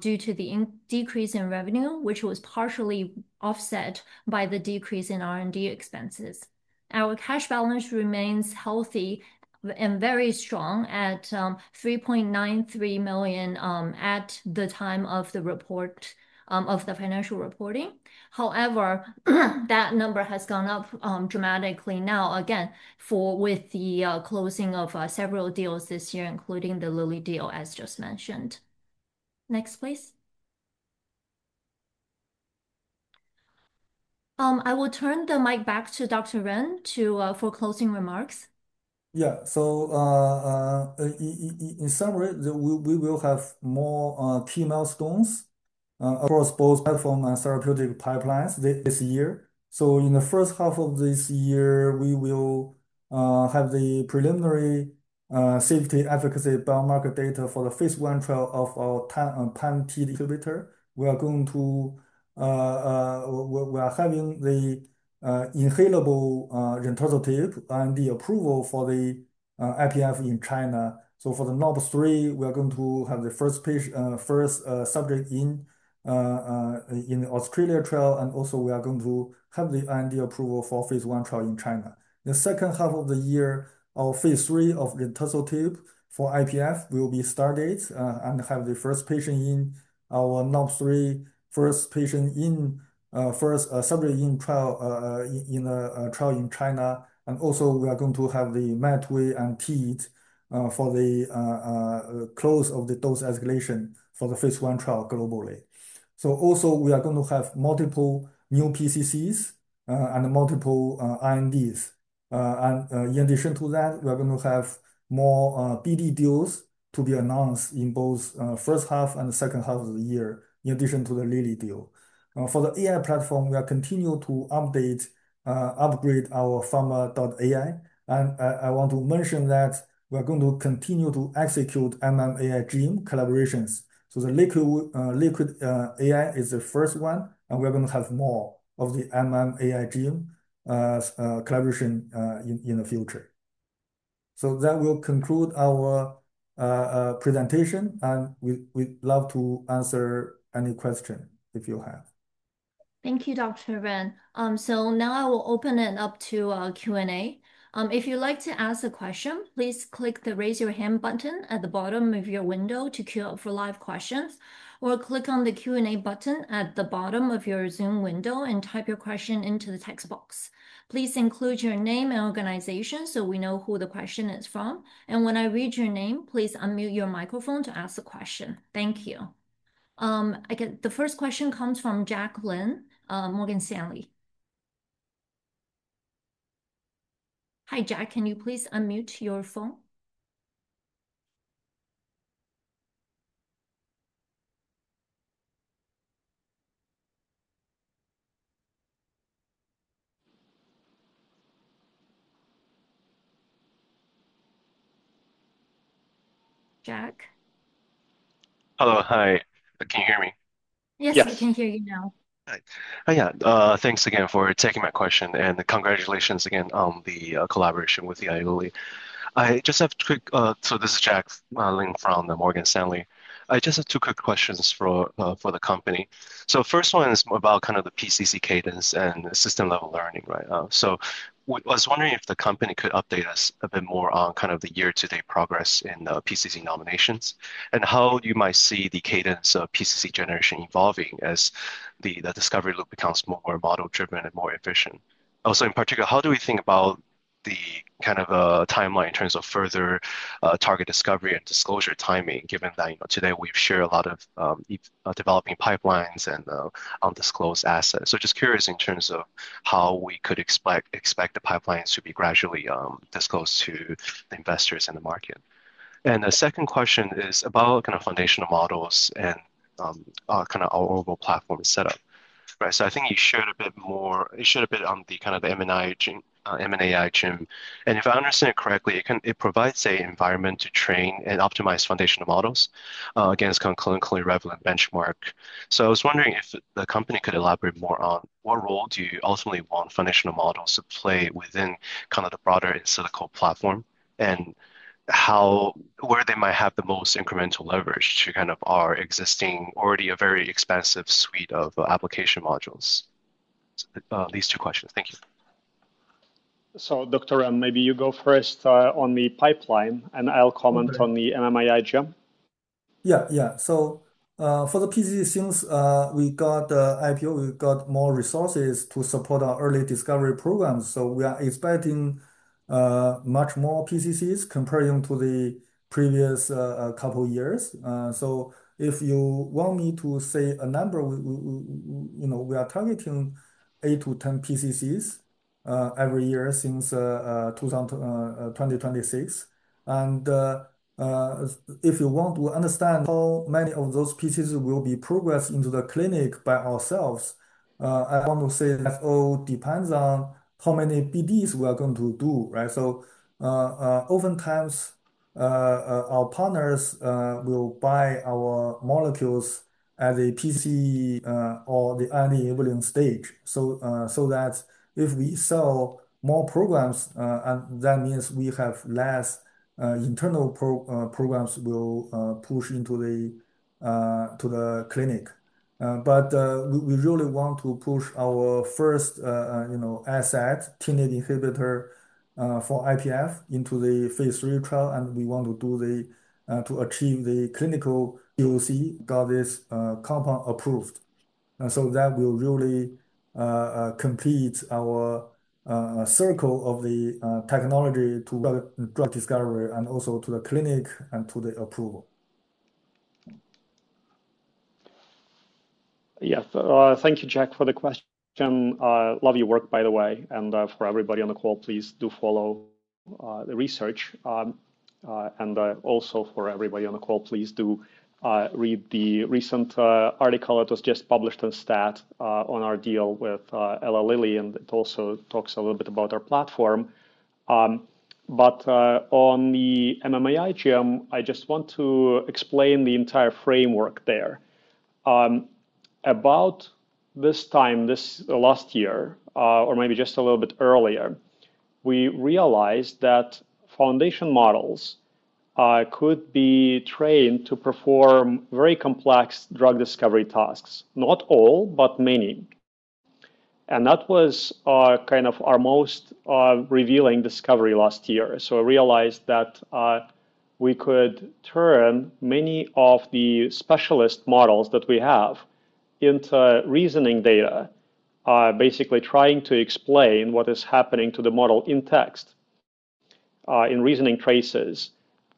due to the decrease in revenue, which was partially offset by the decrease in R&D expenses. Our cash balance remains healthy and very strong at $393.3 Million at the time of the financial reporting. That number has gone up dramatically now again, with the closing of several deals this year, including the Lilly deal, as just mentioned. Next, please. I will turn the mic back to Dr. Ren for closing remarks. In summary, we will have more key milestones across both platform and therapeutic pipelines this year. In the first half of this year, we will have the preliminary safety efficacy biomarker data for the phase I trial of our TNIK inhibitor. We are having the inhalable Rentosertib and the approval for the IPF in China. For the NOS3, we are going to have the first subject in Australia trial, and also we are going to have the IND approval for phase I trial in China. The second half of the year, our phase III of Rentosertib for IPF will be started, and have the first patient in our NOS3, first subject in trial in China. Also we are going to have the MAT2A and TEAD for the close of the dose escalation for the phase I trial globally. Also, we are going to have multiple new PCCs, and multiple INDs. In addition to that, we are going to have more BD deals to be announced in both first half and second half of the year, in addition to the Lilly deal. For the AI platform, we are continue to update, upgrade our Pharma.AI. I want to mention that we're going to continue to execute MMAI Gym collaborations. The Liquid AI is the first one, and we are going to have more of the MMAI Gym collaboration in the future. That will conclude our presentation, and we'd love to answer any question if you have. Thank you, Dr. Ren. Now I will open it up to Q&A. If you'd like to ask a question, please click the Raise Your Hand button at the bottom of your window to queue up for live questions, or click on the Q&A button at the bottom of your Zoom window and type your question into the text box. Please include your name and organization so we know who the question is from. When I read your name, please unmute your microphone to ask the question. Thank you. The first question comes from Jack Lin, Morgan Stanley. Hi, Jack. Can you please unmute your phone? Jack? Hello. Hi. Can you hear me? Yes, we can hear you now. Hi. Thanks again for taking my question, and congratulations again on the collaboration with Eli Lilly. This is Jack Lin from Morgan Stanley. I just have two quick questions for the company. First one is about kind of the PCC cadence and system-level learning, right? I was wondering if the company could update us a bit more on kind of the year-to-date progress in PCC nominations, and how you might see the cadence of PCC generation evolving as the discovery loop becomes more model-driven and more efficient. Also, in particular, how do we think about the kind of timeline in terms of further target discovery and disclosure timing, given that today we've shared a lot of developing pipelines and undisclosed assets. Just curious in terms of how we could expect the pipelines to be gradually disclosed to investors in the market. The second question is about kind of foundational models and our kind of our overall platform setup, right? I think you shared a bit on the kind of the MMAI Gym. If I understand it correctly, it provides an environment to train and optimize foundational models against clinically relevant benchmark. I was wondering if the company could elaborate more on what role do you ultimately want foundational models to play within kind of the broader InSilico platform, and where they might have the most incremental leverage to kind of our existing already a very expansive suite of application modules. These two questions. Thank you. Dr. Ren, maybe you go first on the pipeline, and I'll comment on the MMAI Gym. For the PCC, since we got IPO, we've got more resources to support our early discovery programs. We are expecting much more PCCs comparing to the previous couple years. If you want me to say a number, we are targeting 8 to 10 PCCs every year since 2026. If you want to understand how many of those pieces will be progressed into the clinic by ourselves, I want to say that all depends on how many PDs we are going to do, right? Oftentimes, our partners will buy our molecules as a PCC or the early enabling stage. That if we sell more programs, that means we have less internal programs will push into the clinic. We really want to push our first asset, TNIK inhibitor for IPF, into the phase III trial, and we want to achieve the clinical POC, get this compound approved. That will really complete our circle of the technology to drug discovery and also to the clinic and to the approval. Yeah. Thank you, Jack, for the question. Love your work, by the way. For everybody on the call, please do follow the research. Also for everybody on the call, please do read the recent article that was just published on STAT on our deal with Eli Lilly, and it also talks a little bit about our platform. On the MMAI Gym, I just want to explain the entire framework there. About this time this last year, or maybe just a little bit earlier, we realized that foundation models could be trained to perform very complex drug discovery tasks. Not all, but many. That was our kind of our most revealing discovery last year. I realized that we could turn many of the specialist models that we have into reasoning data, basically trying to explain what is happening to the model in text, in reasoning traces,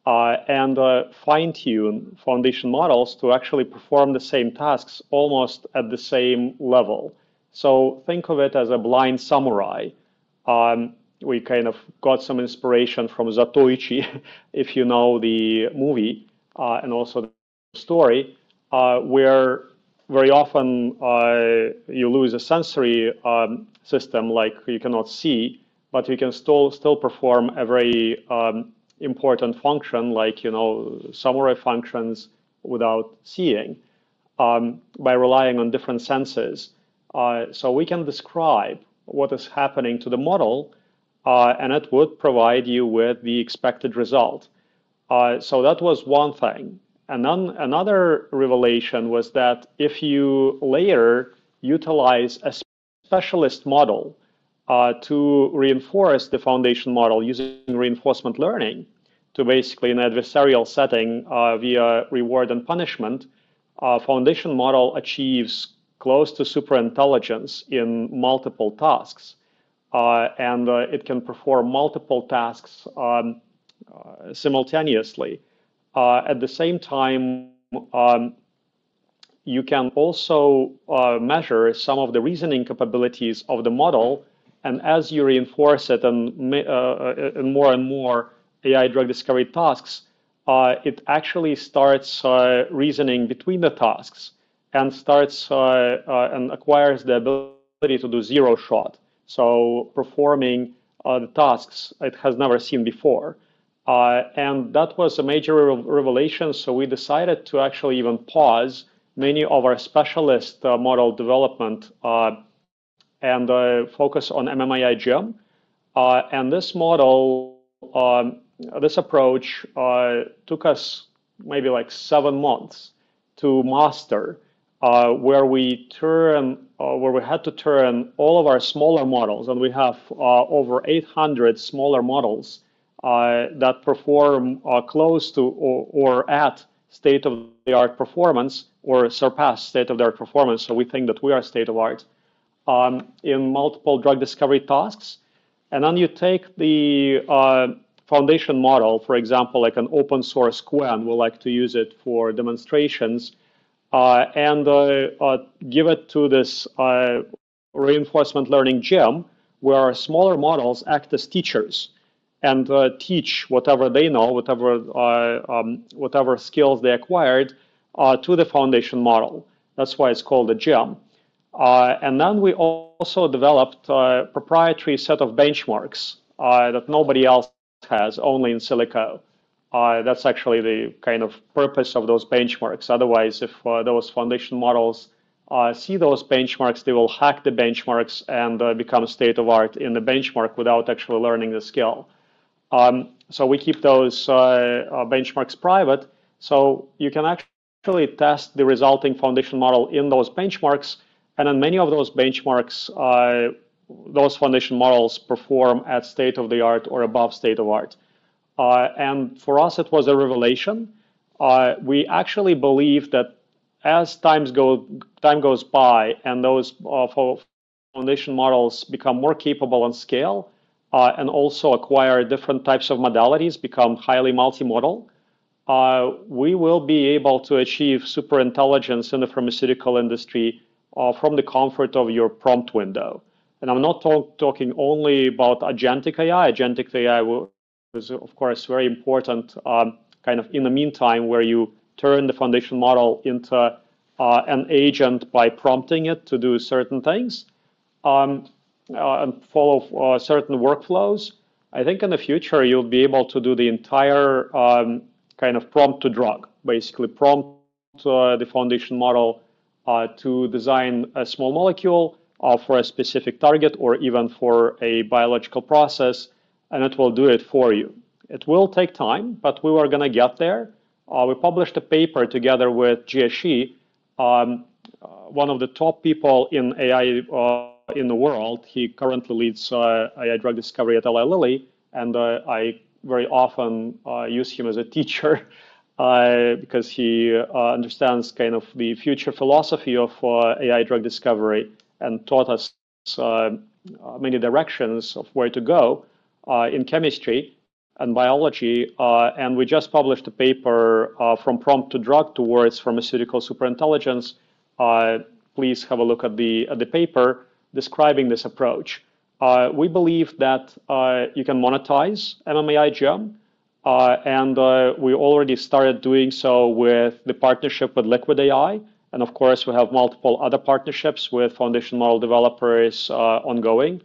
and fine-tune foundation models to actually perform the same tasks almost at the same level. Think of it as a blind samurai We kind of got some inspiration from Zatoichi, if you know the movie, and also the story, where very often you lose a sensory system, like you cannot see, but you can still perform a very important function like samurai functions without seeing, by relying on different senses. We can describe what is happening to the model, and it would provide you with the expected result. That was one thing. Another revelation was that if you later utilize a specialist model to reinforce the foundation model using reinforcement learning to basically an adversarial setting via reward and punishment, a foundation model achieves close to super intelligence in multiple tasks. It can perform multiple tasks simultaneously. At the same time, you can also measure some of the reasoning capabilities of the model. As you reinforce it in more and more AI drug discovery tasks, it actually starts reasoning between the tasks and acquires the ability to do zero-shot. Performing the tasks it has never seen before. That was a major revelation, we decided to actually even pause many of our specialist model development and focus on MMAI Gym. This model, this approach took us maybe seven months to master, where we had to turn all of our smaller models, we have over 800 smaller models that perform close to or at state-of-the-art performance or surpass state-of-the-art performance. We think that we are state-of-the-art in multiple drug discovery tasks. You take the foundation model, for example, like an open source Qwen, we like to use it for demonstrations, give it to this reinforcement learning gym, where our smaller models act as teachers and teach whatever they know, whatever skills they acquired, to the foundation model. That's why it's called a gym. We also developed a proprietary set of benchmarks that nobody else has, only InSilico. That's actually the kind of purpose of those benchmarks. Otherwise, if those foundation models see those benchmarks, they will hack the benchmarks and become state-of-the-art in the benchmark without actually learning the skill. We keep those benchmarks private. You can actually test the resulting foundation model in those benchmarks. In many of those benchmarks, those foundation models perform at state-of-the-art or above state-of-the-art. For us, it was a revelation. We actually believe that as time goes by and those foundation models become more capable in scale, also acquire different types of modalities, become highly multimodal, we will be able to achieve super intelligence in the pharmaceutical industry from the comfort of your prompt window. I'm not talking only about agentic AI. Agentic AI is, of course, very important, kind of in the meantime, where you turn the foundation model into an agent by prompting it to do certain things, follow certain workflows. I think in the future, you'll be able to do the entire kind of prompt to drug. Basically prompt the foundation model to design a small molecule for a specific target or even for a biological process, and it will do it for you. It will take time, but we are going to get there. We published a paper together with Jie Shi, one of the top people in AI in the world. He currently leads AI drug discovery at Eli Lilly, I very often use him as a teacher because he understands kind of the future philosophy of AI drug discovery and taught us many directions of where to go in chemistry and biology. We just published a paper, "From Prompt to Drug Towards Pharmaceutical Superintelligence." Please have a look at the paper describing this approach. We believe that you can monetize MMAI Gym. We already started doing so with the partnership with Liquid AI. Of course, we have multiple other partnerships with foundation model developers ongoing.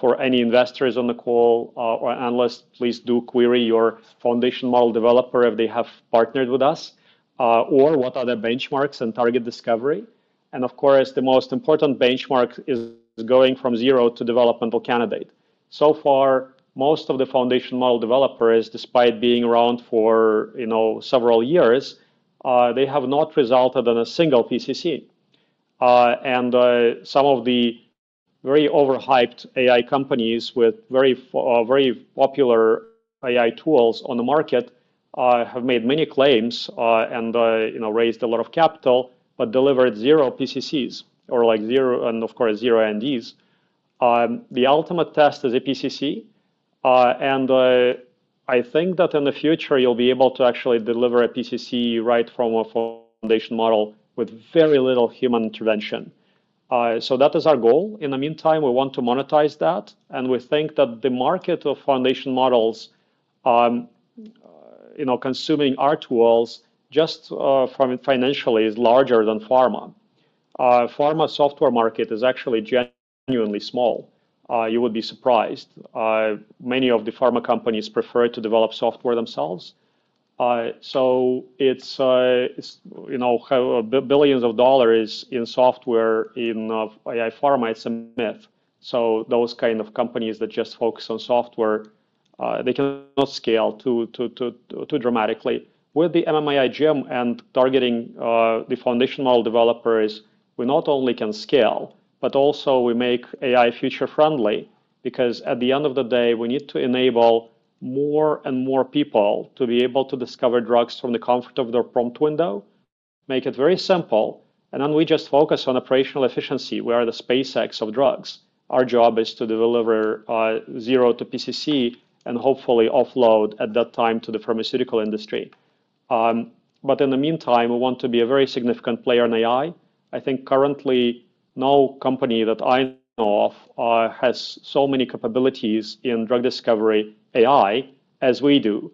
For any investors on the call or analysts, please do query your foundation model developer if they have partnered with us, or what are their benchmarks in target discovery. Of course, the most important benchmark is going from zero to developmental candidate. So far, most of the foundation model developers, despite being around for several years, they have not resulted in a single PCC. Some of the very overhyped AI companies with very popular AI tools on the market have made many claims and raised a lot of capital, but delivered zero PCCs and, of course, zero INDs. The ultimate test is a PCC. I think that in the future, you'll be able to actually deliver a PCC right from a foundation model with very little human intervention. That is our goal. In the meantime, we want to monetize that, and we think that the market of foundation models consuming our tools just from financially is larger than pharma. Pharma software market is actually genuinely small. You would be surprised. Many of the pharma companies prefer to develop software themselves. It's $ billions in software in AI pharma. It's a myth. Those kind of companies that just focus on software, they cannot scale too dramatically. With the MMAI Gym and targeting the foundation model developers, we not only can scale, but also we make AI future friendly because at the end of the day, we need to enable more and more people to be able to discover drugs from the comfort of their prompt window, make it very simple, and then we just focus on operational efficiency. We are the SpaceX of drugs. Our job is to deliver zero to PCC and hopefully offload at that time to the pharmaceutical industry. In the meantime, we want to be a very significant player in AI. I think currently, no company that I know of has so many capabilities in drug discovery AI as we do,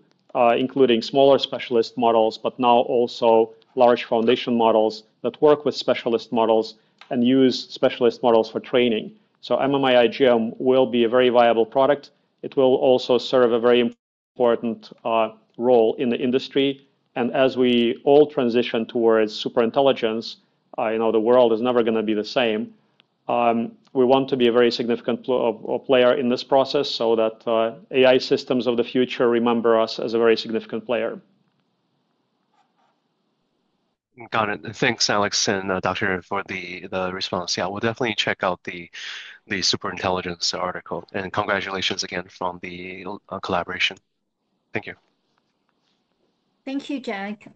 including smaller specialist models, but now also large foundation models that work with specialist models and use specialist models for training. MMAI Gym will be a very viable product. It will also serve a very important role in the industry. As we all transition towards super intelligence, the world is never going to be the same. We want to be a very significant player in this process so that AI systems of the future remember us as a very significant player. Got it. Thanks, Alex and doctor for the response. We'll definitely check out the super intelligence article and congratulations again from the collaboration. Thank you. Thank you, Jack.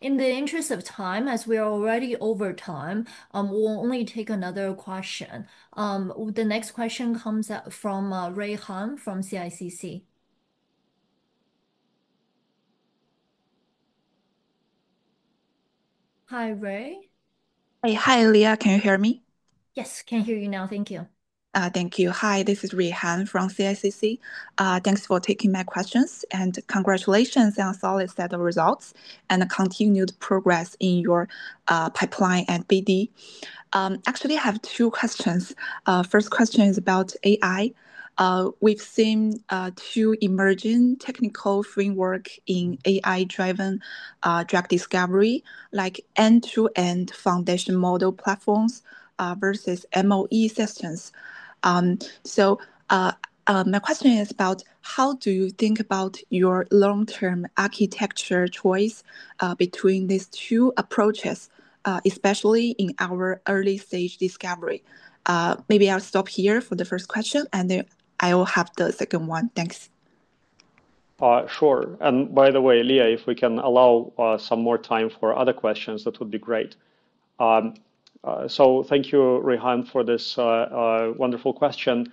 In the interest of time, as we are already over time, we'll only take another question. The next question comes from Rui Han from CICC. Hi, Rui. Hi, Leah. Can you hear me? Yes, can hear you now. Thank you. Thank you. Hi, this is Rui Han from CICC. Thanks for taking my questions and congratulations on solid set of results and the continued progress in your pipeline at BD. Actually, I have two questions. First question is about AI. We've seen two emerging technical framework in AI-driven drug discovery, like end-to-end foundation model platforms versus MOE systems. My question is about how do you think about your long-term architecture choice between these two approaches, especially in our early stage discovery? I'll stop here for the first question, I will have the second one. Thanks. Sure. By the way, Leah, if we can allow some more time for other questions, that would be great. Thank you, Rui Han, for this wonderful question.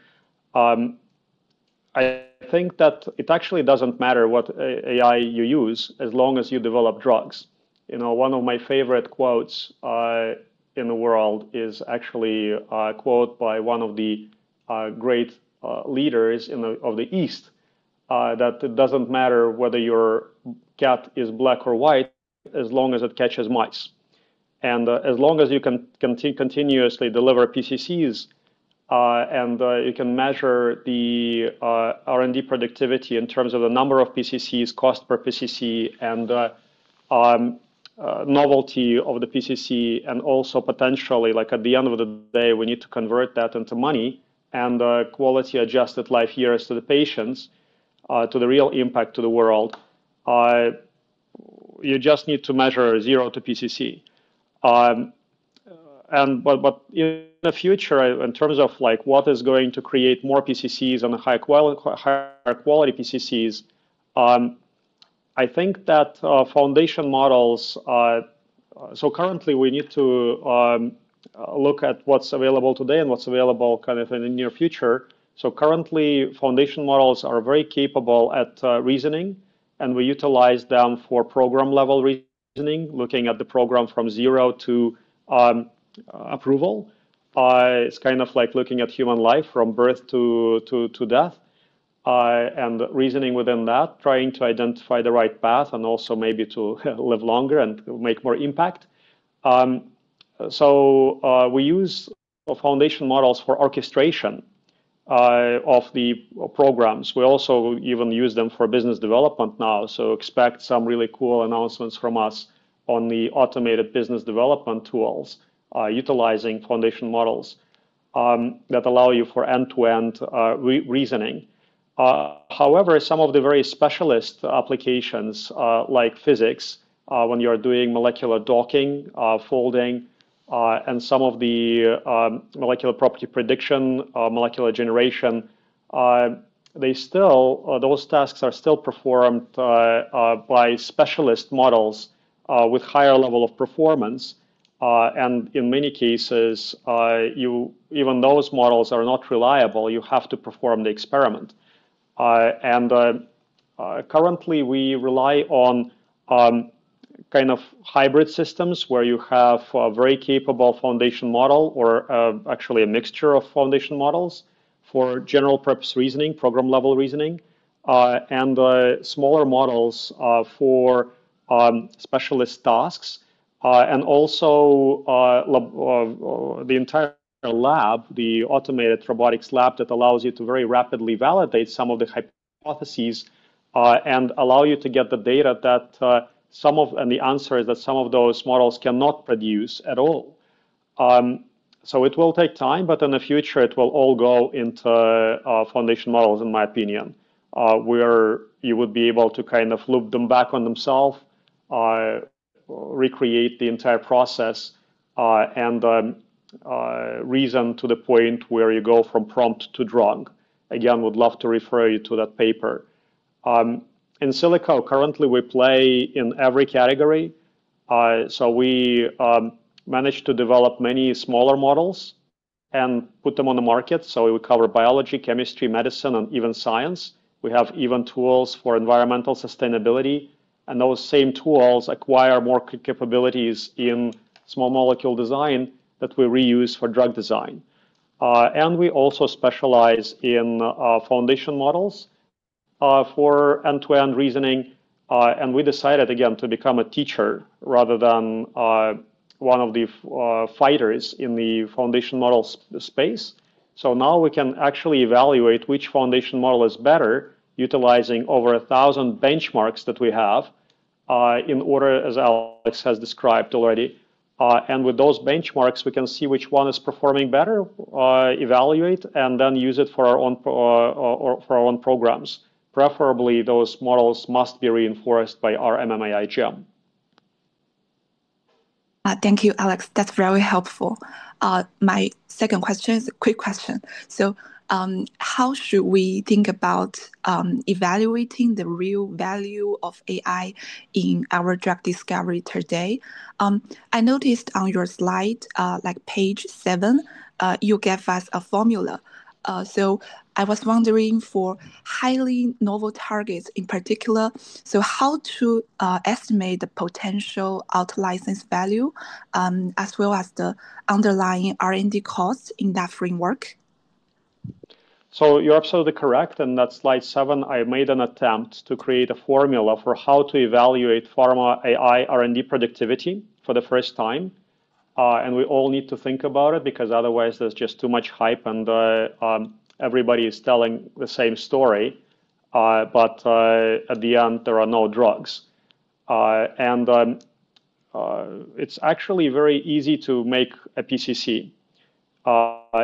I think that it actually doesn't matter what AI you use as long as you develop drugs. One of my favorite quotes in the world is actually a quote by one of the great leaders of the East that it doesn't matter whether your cat is black or white as long as it catches mice. As long as you can continuously deliver PCCs, and you can measure the R&D productivity in terms of the number of PCCs, cost per PCC, and the novelty of the PCC, and also potentially, like at the end of the day, we need to convert that into money and quality adjusted life years to the patients, to the real impact to the world. You just need to measure zero to PCC. In the future, in terms of what is going to create more PCCs and higher quality PCCs, I think that foundation models. Currently we need to look at what's available today and what's available kind of in the near future. Currently, foundation models are very capable at reasoning, and we utilize them for program level reasoning, looking at the program from zero to approval. It's kind of like looking at human life from birth to death and reasoning within that, trying to identify the right path and also maybe to live longer and make more impact. We use foundation models for orchestration of the programs. We also even use them for business development now, expect some really cool announcements from us on the automated business development tools utilizing foundation models that allow you for end-to-end reasoning. However, some of the very specialist applications, like physics, when you are doing molecular docking, folding, and some of the molecular property prediction, molecular generation, those tasks are still performed by specialist models with higher level of performance. In many cases, even those models are not reliable. You have to perform the experiment. Currently, we rely on hybrid systems where you have a very capable foundation model or actually a mixture of foundation models for general purpose reasoning, program-level reasoning, and smaller models for specialist tasks. Also the entire lab, the automated robotics lab that allows you to very rapidly validate some of the hypotheses and allow you to get the data and the answers that some of those models cannot produce at all. It will take time, but in the future, it will all go into foundation models, in my opinion, where you would be able to loop them back on themselves, recreate the entire process, and reason to the point where you go from prompt to drug. Again, would love to refer you to that paper. InSilico, currently, we play in every category. We managed to develop many smaller models and put them on the market. We would cover biology, chemistry, medicine, and even science. We have even tools for environmental sustainability, and those same tools acquire more capabilities in small molecule design that we reuse for drug design. We also specialize in foundation models for end-to-end reasoning. We decided, again, to become a teacher rather than one of the fighters in the foundation model space. Now we can actually evaluate which foundation model is better, utilizing over 1,000 benchmarks that we have, in order, as Alex has described already. With those benchmarks, we can see which one is performing better, evaluate, and then use it for our own programs. Preferably, those models must be reinforced by our MMAI Gym. Thank you, Alex. That's very helpful. My second question is a quick question. How should we think about evaluating the real value of AI in our drug discovery today? I noticed on your slide, page seven, you gave us a formula. I was wondering for highly novel targets in particular, how to estimate the potential out-license value, as well as the underlying R&D cost in that framework? You're absolutely correct. In that slide seven, I made an attempt to create a formula for how to evaluate pharma AI R&D productivity for the first time. We all need to think about it because otherwise, there's just too much hype, and everybody is telling the same story. At the end, there are no drugs. It's actually very easy to make a PCC,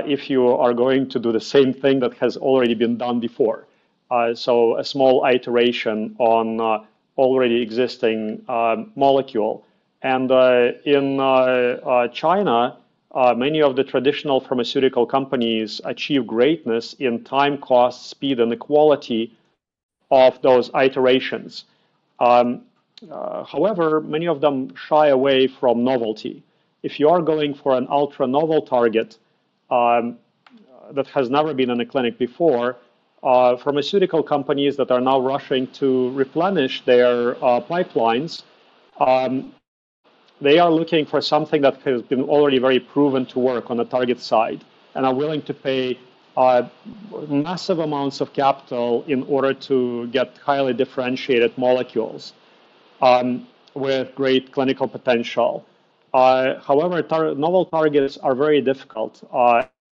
if you are going to do the same thing that has already been done before. A small iteration on already existing molecule. In China, many of the traditional pharmaceutical companies achieve greatness in time, cost, speed, and the quality of those iterations. However, many of them shy away from novelty. If you are going for an ultra-novel target that has never been in a clinic before, pharmaceutical companies that are now rushing to replenish their pipelines, they are looking for something that has been already very proven to work on the target side and are willing to pay massive amounts of capital in order to get highly differentiated molecules with great clinical potential. However, novel targets are very difficult,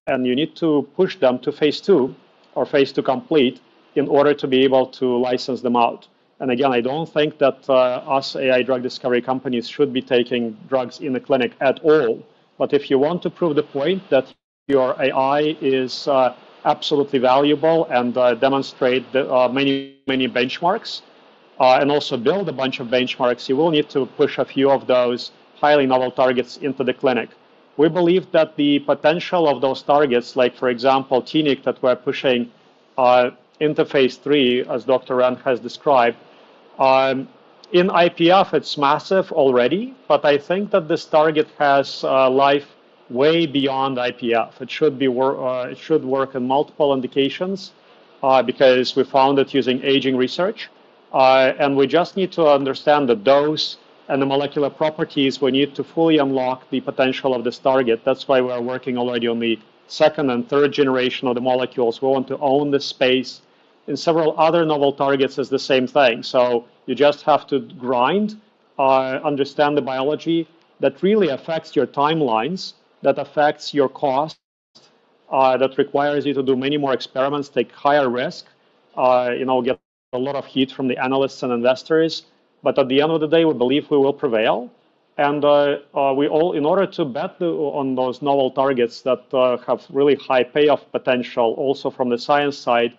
and you need to push them to phase II or phase II complete in order to be able to license them out. Again, I don't think that us AI drug discovery companies should be taking drugs in the clinic at all. If you want to prove the point that your AI is absolutely valuable and demonstrate many benchmarks and also build a bunch of benchmarks, you will need to push a few of those highly novel targets into the clinic. We believe that the potential of those targets, like for example, TNIK, that we are pushing into phase III, as Dr. Ren has described. In IPF, it is massive already, but I think that this target has a life way beyond IPF. It should work in multiple indications, because we found it using aging research. We just need to understand the dose and the molecular properties. We need to fully unlock the potential of this target. That is why we are working already on the second and third generation of the molecules. We want to own the space. In several other novel targets, it is the same thing. You just have to grind, understand the biology that really affects your timelines, that affects your cost, that requires you to do many more experiments, take higher risk, get a lot of heat from the analysts and investors. At the end of the day, we believe we will prevail. In order to bet on those novel targets that have really high payoff potential also from the science side,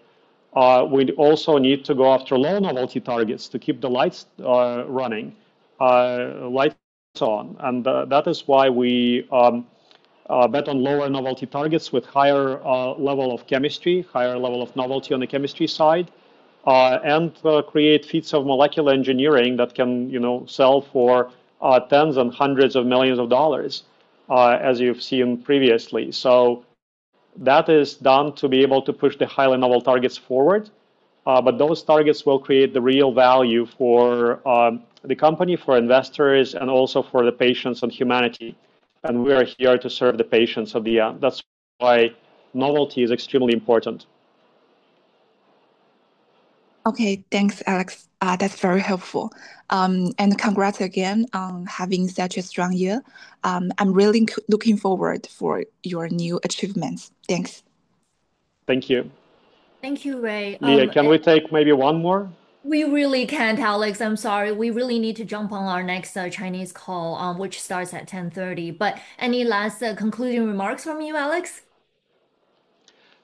we'd also need to go after low novelty targets to keep the lights running, lights on. That is why we bet on lower novelty targets with higher level of chemistry, higher level of novelty on the chemistry side, and create feats of molecular engineering that can sell for tens and hundreds of millions of dollars, as you have seen previously. That is done to be able to push the highly novel targets forward. Those targets will create the real value for the company, for investors, and also for the patients and humanity. We are here to serve the patients, that's why novelty is extremely important. Okay. Thanks, Alex. That's very helpful. Congrats again on having such a strong year. I'm really looking forward for your new achievements. Thanks. Thank you. Thank you, Rui. Leah, can we take maybe one more? We really can't, Alex. I'm sorry. We really need to jump on our next Chinese call, which starts at 10:30 A.M. Any last concluding remarks from you, Alex?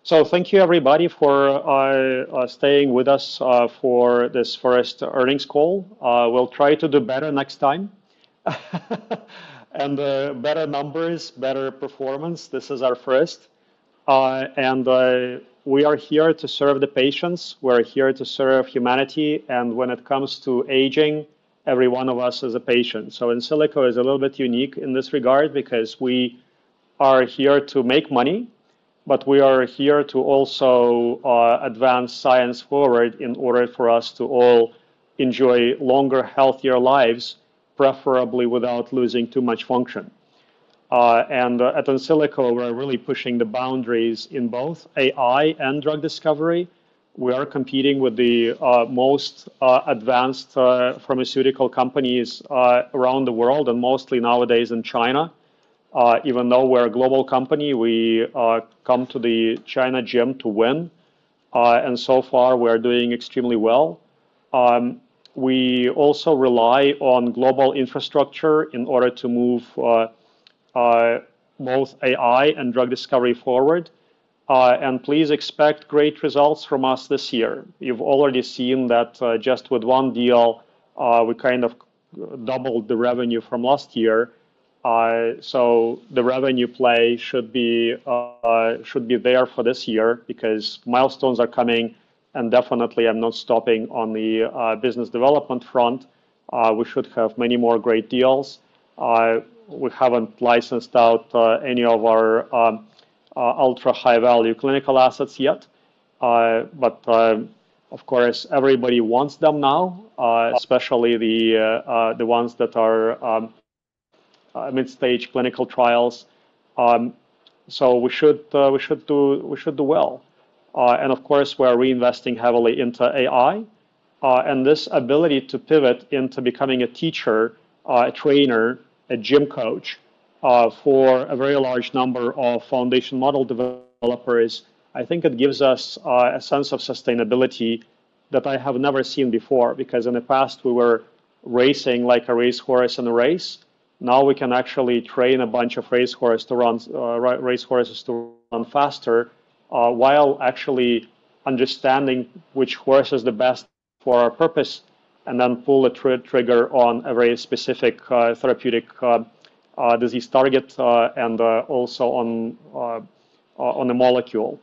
Thank you, everybody, for staying with us for this first earnings call. We'll try to do better next time. Better numbers, better performance. This is our first. We are here to serve the patients. We're here to serve humanity. When it comes to aging, every one of us is a patient. InSilico Medicine is a little bit unique in this regard because we are here to make money, but we are here to also advance science forward in order for us to all enjoy longer, healthier lives, preferably without losing too much function. At InSilico Medicine, we're really pushing the boundaries in both AI and drug discovery. We are competing with the most advanced pharmaceutical companies around the world, and mostly nowadays in China. Even though we're a global company, we come to the China gym to win. So far, we are doing extremely well. We also rely on global infrastructure in order to move both AI and drug discovery forward. Please expect great results from us this year. You've already seen that just with one deal, we kind of doubled the revenue from last year. The revenue play should be there for this year because milestones are coming, and definitely I'm not stopping on the business development front. We should have many more great deals. We haven't licensed out any of our ultra-high-value clinical assets yet. But of course, everybody wants them now, especially the ones that are mid-stage clinical trials. We should do well. Of course, we're reinvesting heavily into AI. This ability to pivot into becoming a teacher, a trainer, a gym coach for a very large number of foundation model developers, I think it gives us a sense of sustainability that I have never seen before. In the past, we were racing like a racehorse in a race. Now we can actually train a bunch of racehorses to run faster, while actually understanding which horse is the best for our purpose, and then pull the trigger on a very specific therapeutic disease target, and also on a molecule.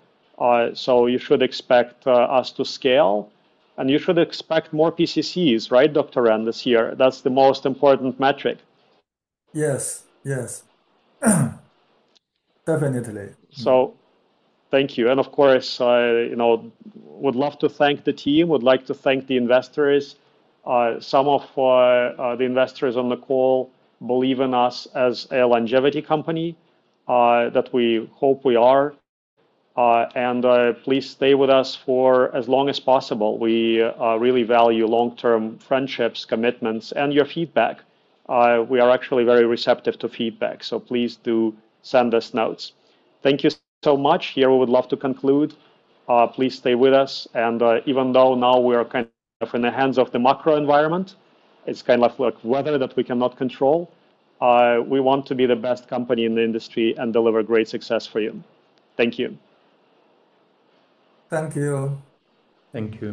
You should expect us to scale, and you should expect more PCCs, right, Dr. Ren, this year? That's the most important metric. Yes. Yes. Definitely. Thank you. Of course, I would love to thank the team, would like to thank the investors. Some of the investors on the call believe in us as a longevity company that we hope we are. Please stay with us for as long as possible. We really value long-term friendships, commitments, and your feedback. We are actually very receptive to feedback, so please do send us notes. Thank you so much. Here, we would love to conclude. Please stay with us. Even though now we are kind of in the hands of the macro environment, it's kind of like weather that we cannot control, we want to be the best company in the industry and deliver great success for you. Thank you. Thank you. Thank you.